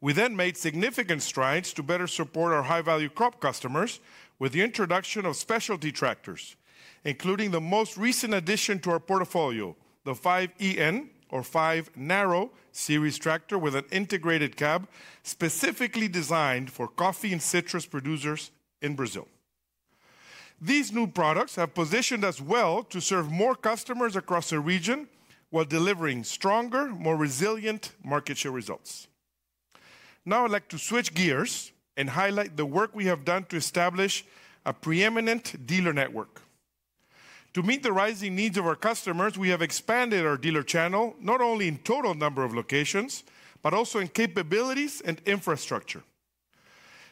Speaker 2: We then made significant strides to better support our high value crop customers with the introduction of specialty tractors, including the most recent addition to our portfolio, the 5EN or 5 Narrow Series Tractor with an integrated cab specifically designed for coffee and citrus producers in Brazil. These new products have positioned us well to serve more customers across the region while delivering stronger, more resilient market share results. Now I'd like to switch gears and highlight the work we have done to establish a preeminent dealer network to meet the rising needs of our customers. We have expanded our dealer channel not only in total number of locations, but also in capabilities and infrastructure.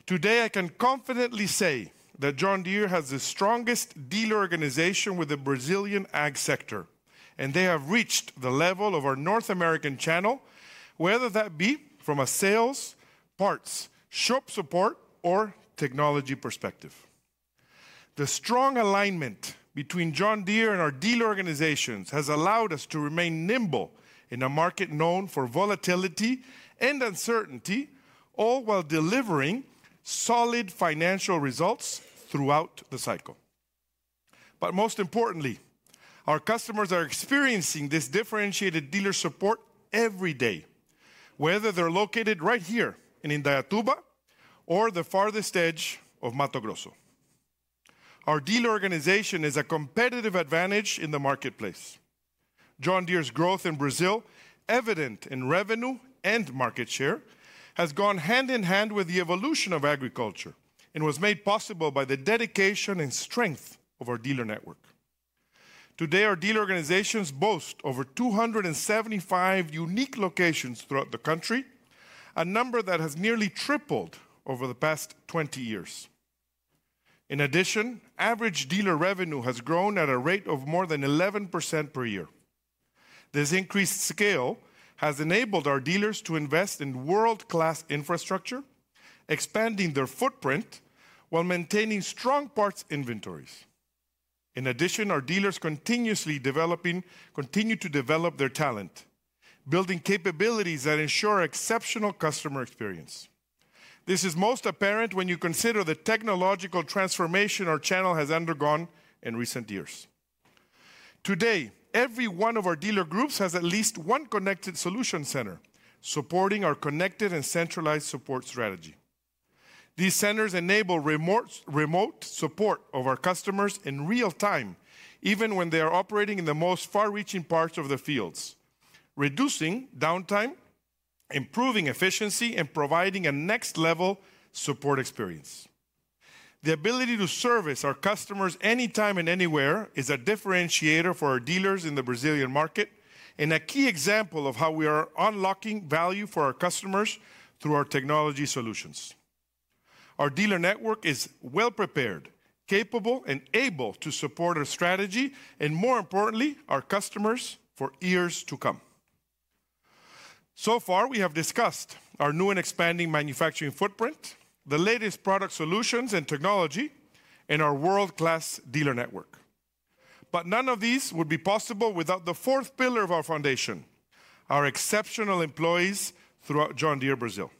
Speaker 2: Today I can confidently say that John Deere has the strongest dealer organization within the Brazilian ag sector and they have reached the level of our North American channel. Whether that be from a sales, parts, shop support or technology perspective, the strong alignment between John Deere and our dealer organizations has allowed us to remain nimble in a market known for volatility and uncertainty, all while delivering solid financial results throughout the cycle. Most importantly, our customers are experiencing this differentiated dealer support every day. Whether they're located right here in Indaiatuba or the farthest edge of Mato Grosso. Our dealer organization is a competitive advantage in the marketplace. John Deere's growth in Brazil, evident in revenue and market share, has gone hand in hand with the evolution of agriculture and was made possible by the dedication and strength of our dealer network. Today, our dealer organizations boast over 275 unique locations throughout the country, a number that has nearly tripled over the past 20 years. In addition, average dealer revenue has grown at a rate of more than 11% per year. This increased scale has enabled our dealers to invest in world-class infrastructure, expanding their footprint while maintaining strong parts inventories. In addition, our dealers continue to develop their talent-building capabilities that ensure exceptional customer experience. This is most apparent when you consider the technological transformation our channel has undergone in recent years. Today, every one of our dealer groups has at least one connected solution center supporting our connected and centralized support strategy. These centers enable remote support of our customers in real time, even when they are operating in the most far-reaching parts of the fields, reducing downtime, improving efficiency, and providing a next-level support experience. The ability to service our customers anytime and anywhere is a differentiator for our dealers in the Brazilian market and a key example of how we are unlocking value for our customers through our technology solutions. Our dealer network is well prepared, capable, and able to support our strategy and, more importantly, our customers for years to come. So far we have discussed our new and expanding manufacturing footprint, the latest product solutions and technology, and our world-class dealer network. None of these would be possible without the fourth pillar of our foundation, our exceptional employees throughout John Deere, Brazil.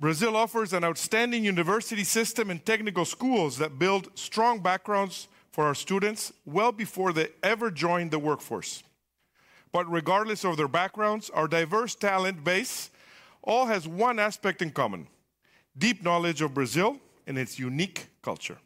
Speaker 2: Brazil offers an outstanding university system and technical schools that build strong backgrounds for our students well before they ever join the workforce. Regardless of their backgrounds, our diverse talent base all has one aspect in common: deep knowledge of Brazil and its unique culture.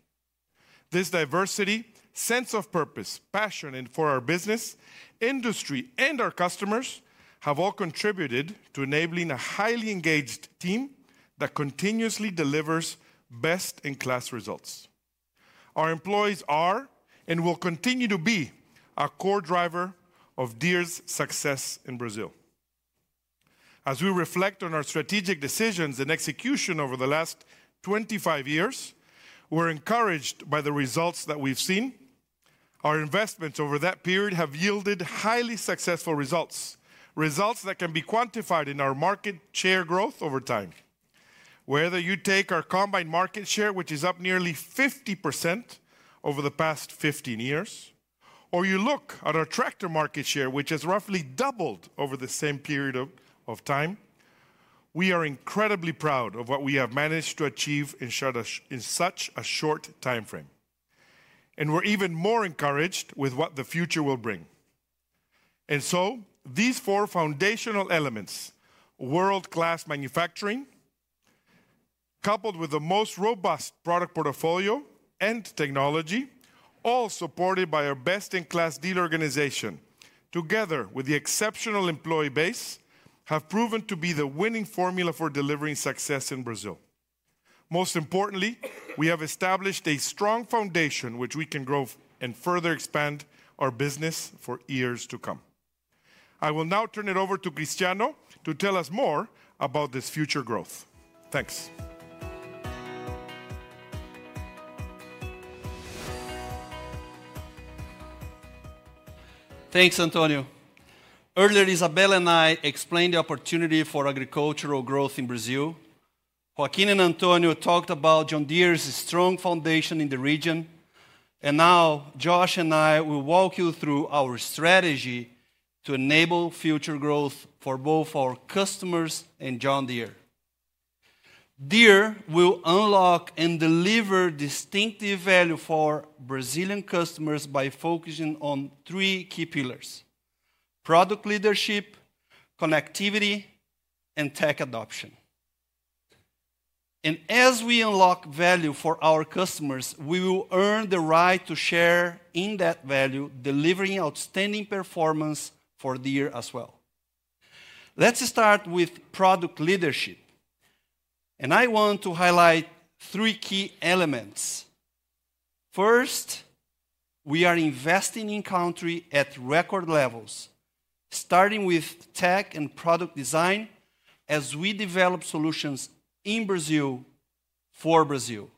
Speaker 2: This diversity, sense of purpose, passion for our business, industry and our customers have all contributed to enabling a highly engaged team that continuously delivers best in class results. Our employees are and will continue to be a core driver of Deere's success in Brazil. As we reflect on our strategic decisions and execution over the last 25 years, we're encouraged by the results that we've seen. Our investments over that period have yielded highly successful results. Results that can be quantified in our market share growth over time. Whether you take our combined market share which is up nearly 50% over the past 15 years, or you look at our tractor market share which has roughly doubled over the same period of time, we are incredibly proud of what we have managed to achieve in such a short time frame. We are even more encouraged with what the future will bring. These four foundational elements, world class manufacturing coupled with the most robust product portfolio and technology, all supported by our best in class dealer organization, together with the exceptional employee base, have proven to be the winning formula for delivering success in Brazil. Most importantly, we have established a strong foundation which we can grow and further expand our business for years to come. I will now turn it over to Cristiano to tell us more about this future growth. Thanks. Thanks Antonio. Earlier, Isabela and I explained the opportunity for agricultural growth in Brazil. Joaquin and Antonio talked about John Deere's strong foundation in the region. Josh and I will walk you through our strategy to enable future growth for both our customers and John Deere. Deere will unlock and deliver distinctive value for Brazilian customers by focusing on three key product leadership, connectivity, and tech adoption. As we unlock value for our customers, we will earn the right to share in that value, delivering outstanding performance for Deere as well. Let's start with product leadership, and I want to highlight three key elements. First, we are investing in country at record levels, starting with tech and product design as we develop solutions in Brazil for Brazil.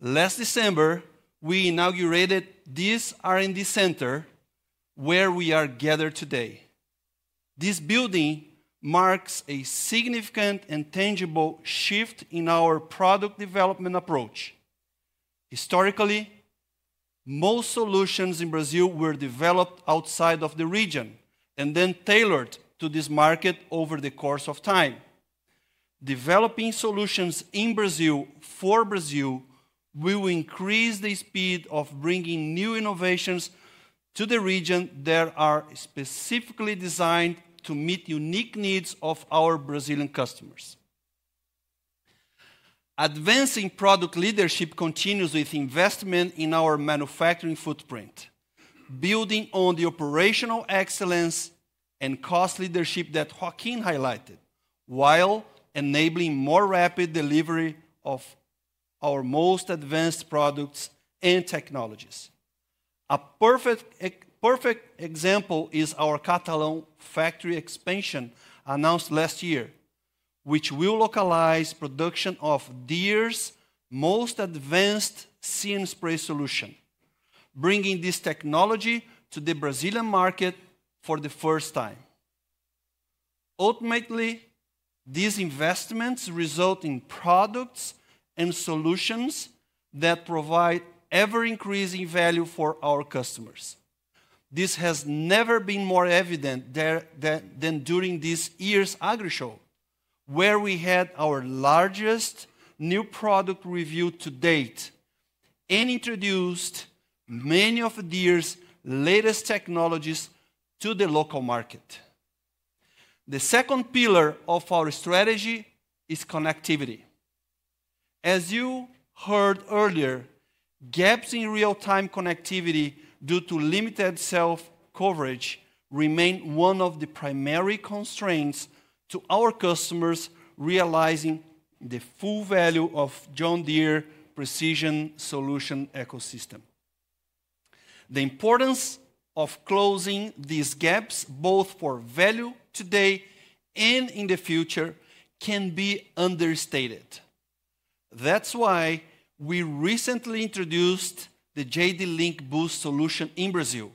Speaker 2: Last December we inaugurated this R&D center where we are gathered today. This building marks a significant and tangible shift in our product development approach. Historically, most solutions in Brazil were developed outside of the region and then tailored to this market over the course of time. Developing solutions in Brazil for Brazil will increase the speed of bringing new innovations to the region that are specifically designed to meet unique needs of our Brazilian customers. Advancing product leadership continues with investment in our manufacturing footprint, building on the operational excellence and cost leadership that Joaquin highlighted while enabling more rapid delivery of our most advanced products and technologies. A perfect example is our Catalão factory expansion announced last year which will localize production of Deere's most advanced See & Spray solution, bringing this technology to the Brazilian market for the first time. Ultimately, these investments result in products and solutions that provide ever increasing value for our customers. This has never been more evident than during this year's Agri show where we had our largest new product review to date and introduced many of Deere's latest technologies to the local market. The second pillar of our strategy is connectivity. As you heard earlier, gaps in real time connectivity due to limited cell coverage remain one of the primary constraints to our customers realizing the full value of John Deere precision solution ecosystem. The importance of closing these gaps both for value today and in the future cannot be understated. That is why we recently introduced the JDLink Boost solution in Brazil,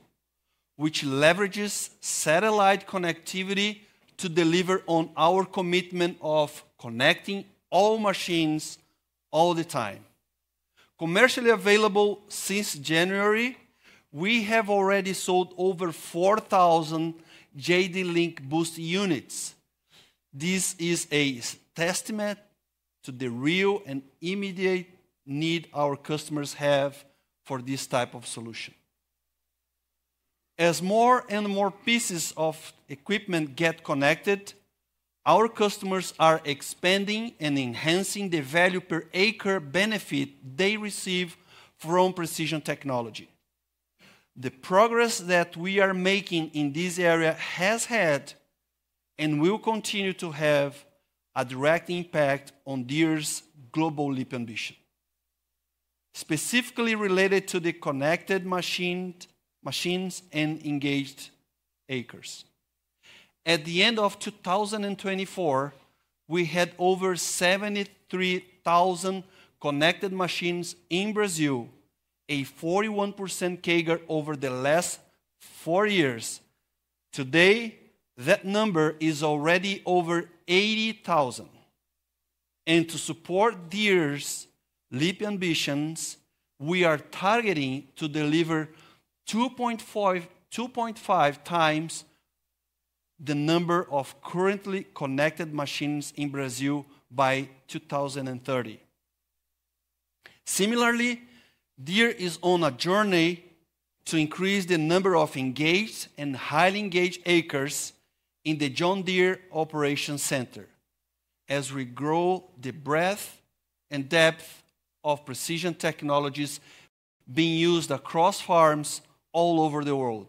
Speaker 2: which leverages satellite connectivity to deliver on our commitment of connecting all machines all the time. Commercially available since January, we have already sold over 4,000 JDLink Boost units. This is a testament to the real and immediate need our customers have for this type of solution. As more and more pieces of equipment get connected, our customers are expanding and enhancing the value per acre benefit they receive from precision technology. The progress that we are making in this area has had and will continue to have a direct impact on Deere's global leap ambition specifically related to the connected machines and engaged acres. At the end of 2024 we had over 73,000 connected machines in Brazil, a 41% CAGR over the last four years. Today that number is already over 80,000. To support Deere's leap ambitions, we are targeting to deliver 2.5 times the number of currently connected machines in Brazil by 2030. Similarly, Deere is on a journey to increase the number of engaged and highly engaged acres in the John Deere Operations Center as we grow the breadth and depth of precision technologies being used across farms all over the world.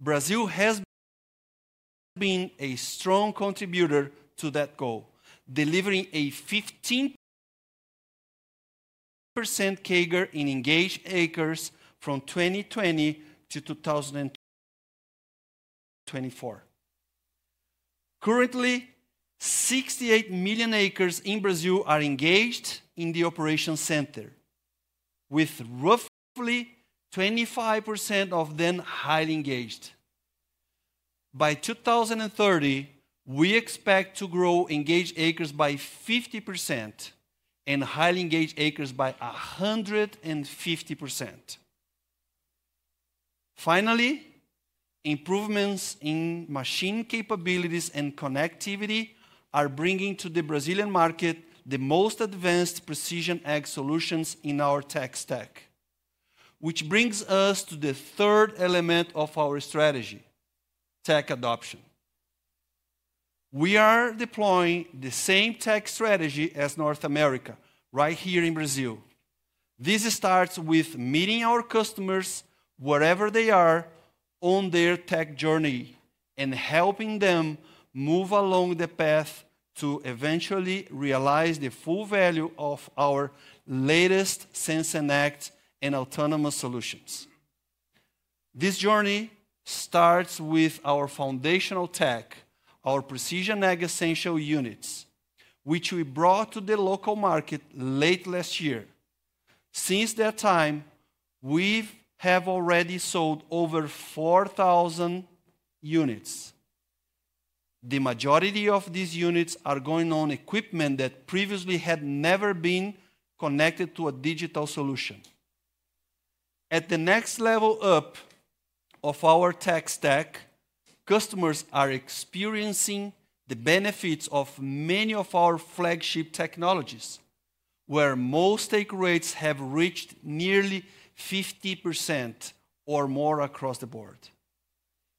Speaker 2: Brazil has been a strong contributor to that goal, delivering a 15% CAGR in engaged acres from 2020 to 2024. Currently, 68 million acres in Brazil are engaged in the operations center with roughly 25% of them highly engaged. By 2030, we expect to grow engaged acres by 50% and highly engaged acres by 150%. Finally, improvements in machine capabilities and connectivity are bringing to the Brazilian market the most advanced precision AG solutions in our tech stack. Which brings us to the third element of our strategy: tech adoption. We are deploying the same tech strategy as North America right here in Brazil. This starts with meeting our customers wherever they are on their tech journey and helping them move along the path to eventually realize the full value of our latest sense and act and autonomous solutions. This journey starts with our foundational tech, our Precision Ag Essential Units, which we brought to the local market late last year. Since that time, we have already sold over 4,000 units. The majority of these units are going on equipment that previously had never been connected to a digital solution. At the next level up of our tech stack, customers are experiencing the benefits of many of our flagship technologies, where most take rates have reached nearly 50% or more across the board.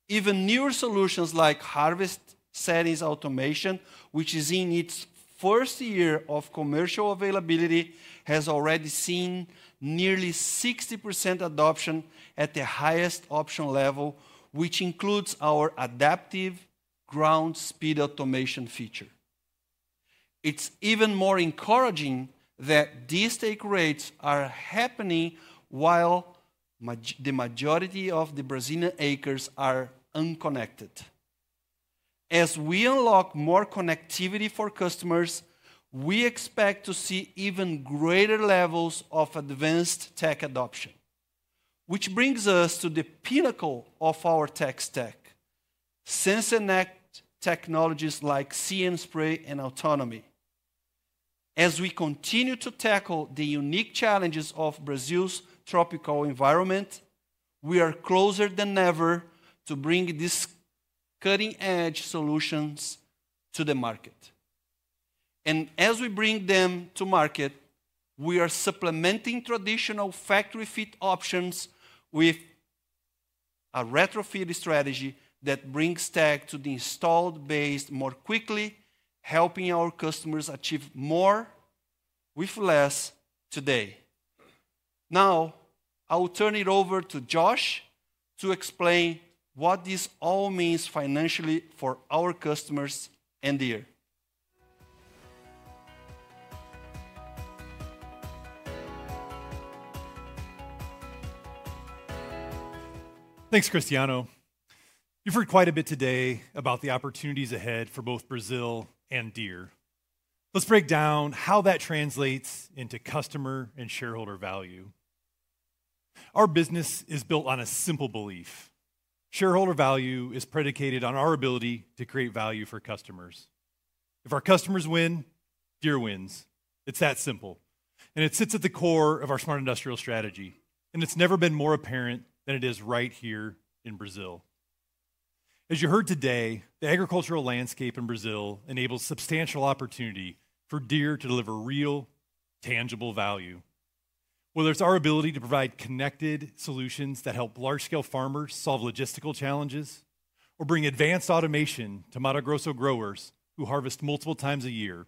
Speaker 2: Even newer solutions like Harvest Settings Automation, which is in its first year of commercial availability, has already seen nearly 60% adoption at the highest option level, which includes our Adaptive Ground Speed Automation feature. It is even more encouraging that these take rates are happening while the majority of the Brazilian acres are unconnected. As we unlock more connectivity for customers, we expect to see even greater levels of advanced tech adoption. Which brings us to the pinnacle of our tech sense, enacting technologies like See & Spray and Autonomy. As we continue to tackle the unique challenges of Brazil's tropical environment, we are closer than ever to bringing these cutting edge solutions to the market. As we bring them to market, we are supplementing traditional factory fit options with a retrofit strategy that brings tech to the installed base more quickly, helping our customers achieve more with less. Today, now I will turn it over to Josh to explain what this all means financially for our customers and the area.
Speaker 1: Thanks, Cristiano. You've heard quite a bit today about the opportunities ahead for both Brazil and Deere. Let's break down how that translates into customer and shareholder value. Our business is built on a simple belief. Shareholder value is predicated on our ability to create value for customers. If our customers win, Deere wins. It's that simple. It sits at the core of our smart industrial strategy. It's never been more apparent than it is right here in Brazil. As you heard today, the agricultural landscape in Brazil enables substantial opportunity for Deere to deliver real, tangible value. Whether it's our ability to provide connected solutions that help large-scale farmers solve logistical challenges, or bring advanced automation to Mato Grosso growers who harvest multiple times a year,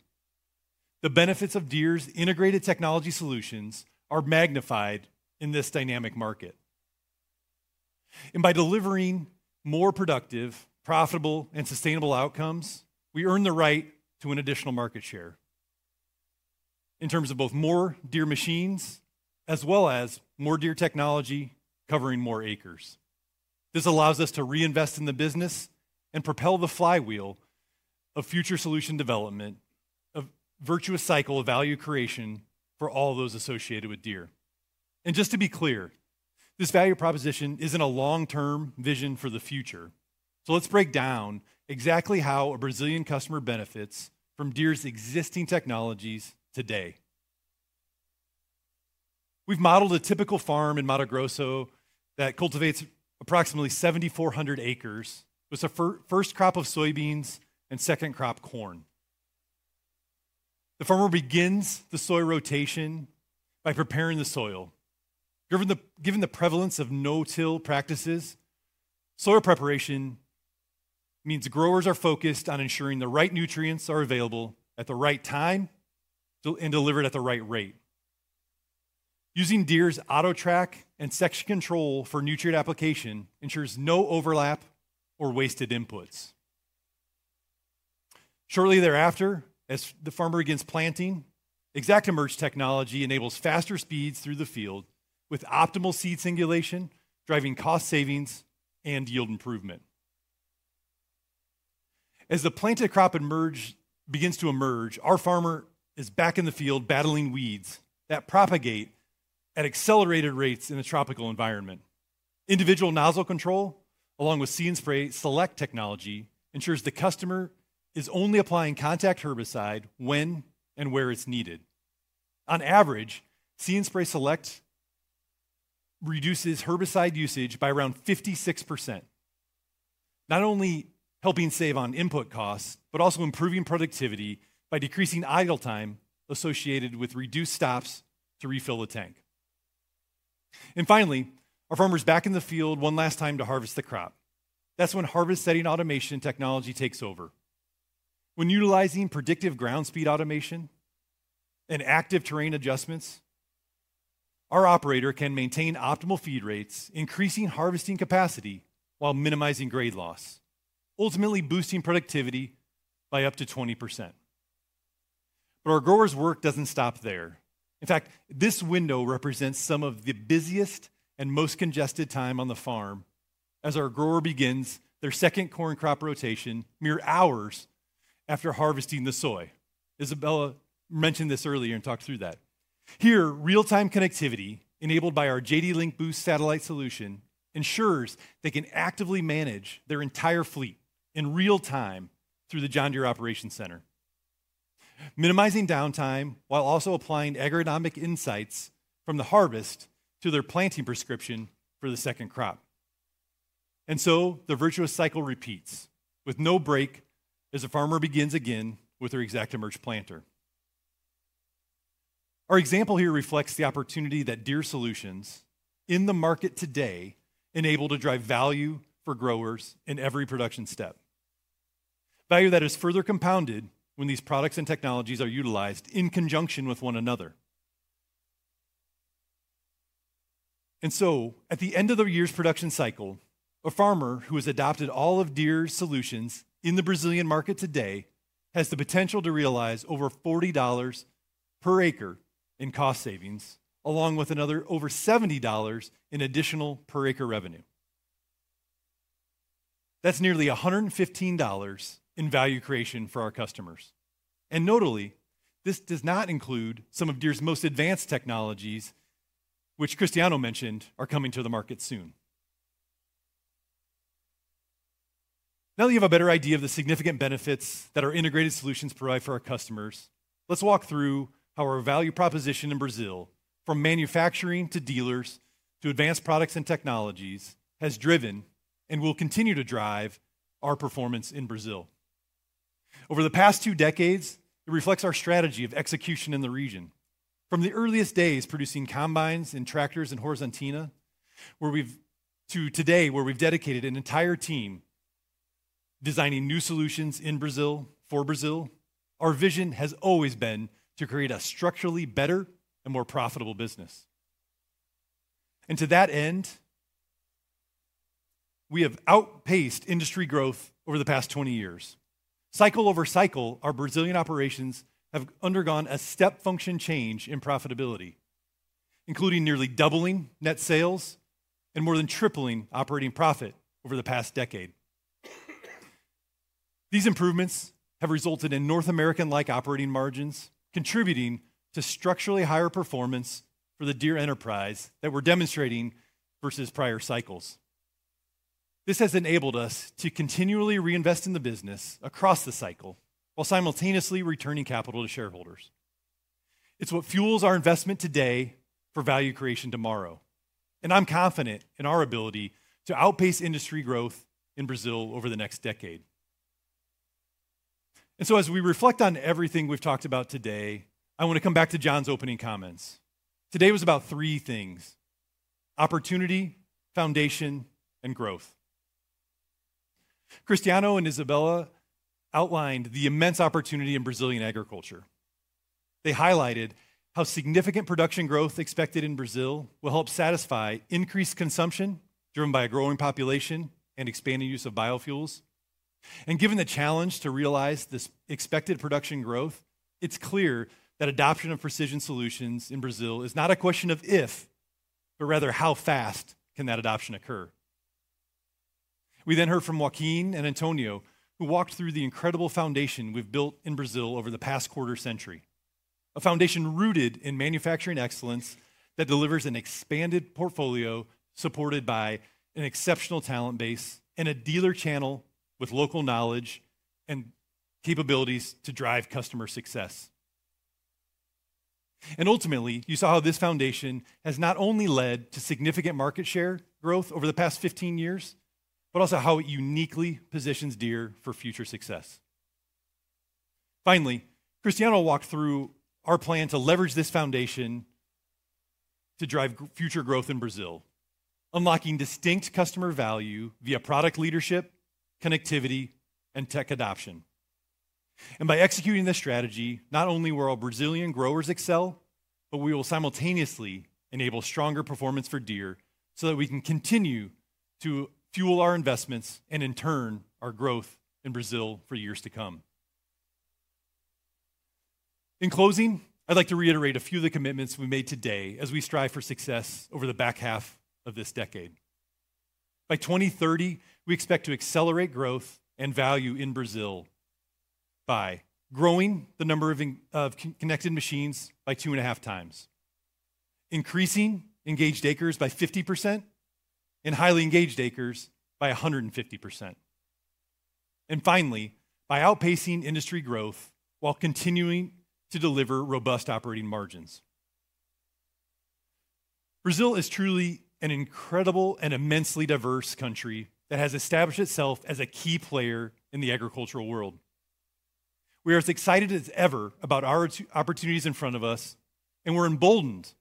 Speaker 1: the benefits of Deere's integrated technology solutions are magnified in this dynamic market. By delivering more productive, profitable, and sustainable outcomes, we earn the right to an additional market share in terms of both more Deere machines as well as more Deere technology covering more acres. This allows us to reinvest in the business and propel the flywheel of future solution development, a virtuous cycle of value creation for all those associated with Deere. Just to be clear, this value proposition is not a long-term vision for the future. Let's break down exactly how a Brazilian customer benefits from Deere's existing technologies. Today, we have modeled a typical farm in Mato Grosso that cultivates approximately 7,400 acres. With the first crop of soybeans and second crop corn, the farmer begins the soil rotation by preparing the soil. Given the prevalence of no-till practices, soil preparation means growers are focused on ensuring the right nutrients are available at the right time and delivered at the right rate. Using Deere's Auto Trac and section control for nutrient application ensures no overlap, wasted inputs. Shortly thereafter, as the farmer begins planting, ExactEmerge technology enables faster speeds through the field with optimal seed singulation, driving cost savings and yield improvement. As the planted crop begins to emerge, our farmer is back in the field battling weeds that propagate at accelerated rates in a tropical environment. Individual nozzle control, along with See & Spray Select technology, ensures the customer is only applying contact herbicide when and where it's needed. On average, See & Spray Select reduces herbicide usage by around 56%. Not only helping save on input costs, but also improving productivity by decreasing idle time associated with reduced stops to refill the tank. Finally, our farmer is back in the field one last time to harvest the crop. That is when harvest setting automation technology takes over. When utilizing predictive ground speed automation and active terrain adjustments, our operator can maintain optimal feed rates, increasing harvesting capacity while minimizing grade loss, ultimately boosting productivity by up to 20%. Our grower's work does not stop there. In fact, this window represents some of the busiest and most congested time on the farm as our grower begins their second corn crop rotation mere hours after harvesting the soy. Isabella mentioned this earlier and talked through that here. Real time connectivity enabled by our JDLink Boost satellite solution ensures they can actively manage their entire fleet in real time through the John Deere Operations Center, minimizing downtime while also applying agronomic insights from the harvest to their planting prescription for the second crop. The virtuous cycle repeats with no break as a farmer begins again with her ExactEmerge planter. Our example here reflects the opportunity that Deere solutions in the market today enable to drive value for growers in every production step. Value that is further compounded when these products and technologies are utilized in conjunction with one another. At the end of the year's production cycle, a farmer who has adopted all of Deere's solutions in the Brazilian market today has the potential to realize over $40 per acre in cost savings along with another over $70 in additional per acre revenue. That's nearly $115 in value creation for our customers. Notably, this does not include some of Deere's most advanced technologies which Cristiano mentioned are coming to the market soon. Now that you have a better idea of the significant benefits that our integrated solutions provide for our customers, let's walk through how our value proposition in Brazil, from manufacturing to dealers to advanced products and technologies, has driven and will continue to drive our performance in Brazil over the past two decades. It reflects our strategy of execution in the region from the earliest days producing combines and tractors in Horizontina to today where we've dedicated an entire team designing new solutions in Brazil for Brazil. Our vision has always been to create a structurally better and more profitable business, and to that end we have outpaced industry growth over the past 20 years. Cycle over cycle, our Brazilian operations have undergone a step function change in profitability, including nearly doubling net sales and more than tripling operating profit over the past decade. These improvements have resulted in North American-like operating margins contributing to structurally higher performance for the Deere enterprise that we're demonstrating versus prior cycles. This has enabled us to continually reinvest in the business across the cycle while simultaneously returning capital to shareholders. It's what fuels our investment today for value creation tomorrow, and I'm confident in our ability to outpace industry growth in Brazil over the next decade. As we reflect on everything we've talked about today, I want to come back to John's opening comments. Today was about three things. Opportunity, foundation, and growth. Cristiano and Isabella outlined the immense opportunity in Brazilian agriculture. They highlighted how significant production growth expected in Brazil will help satisfy increased consumption driven by a growing population and expanding use of biofuels. Given the challenge to realize this expected production growth, it's clear that adoption of precision solutions in Brazil is not a question of if, but rather how fast can that adoption occur. We then heard from Joaquin and Antonio, who walked through the incredible foundation we've built in Brazil over the past quarter century. A foundation rooted in manufacturing excellence that delivers an expanded portfolio supported by an exceptional talent base and a dealer channel with local knowledge and capabilities to drive customer success. Ultimately, you saw how this foundation has not only led to significant market share growth over the past 15 years, but also how it uniquely positions Deere for future success. Finally, Cristiano will walk through our plan to leverage this foundation to drive future growth in Brazil, unlocking distinct customer value via product leadership, connectivity, and tech adoption. By executing this strategy, not only will Brazilian growers excel, but we will simultaneously enable stronger performance for Deere so that we can continue to fuel our investments and in turn, our growth in Brazil for years to come. In closing, I'd like to reiterate a few of the commitments we made today as we strive for success over the back half of this decade. By 2030, we expect to accelerate growth and value in Brazil by growing the number of connected machines by two and a half times, increasing engaged acres by 50%, in highly engaged acres by 150%, and finally, by outpacing industry growth while continuing to deliver robust operating margins. Brazil is truly an incredible and immensely diverse country that has established itself as a key player in the agricultural world. We are as excited as ever about our opportunities in front of us. We are emboldened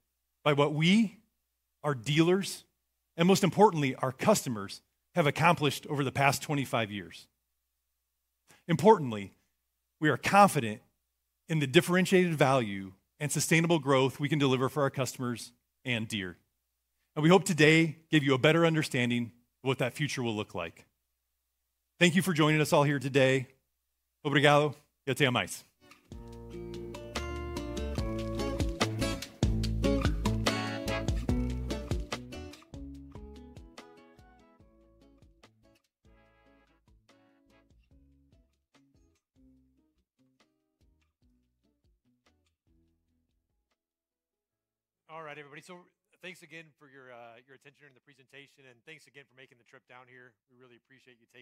Speaker 1: by what we, our dealers, and most importantly our customers, have accomplished over the past 25 years. Importantly, we are confident in the differentiated value and sustainable growth we can deliver for our customers and Deere. We hope today gave you a better understanding of what that future will look like. Thank you for joining us all here today. Obrigado. All right, everybody, thanks again for your attention in the presentation and thanks again for making the trip down here. We really appreciate you taking.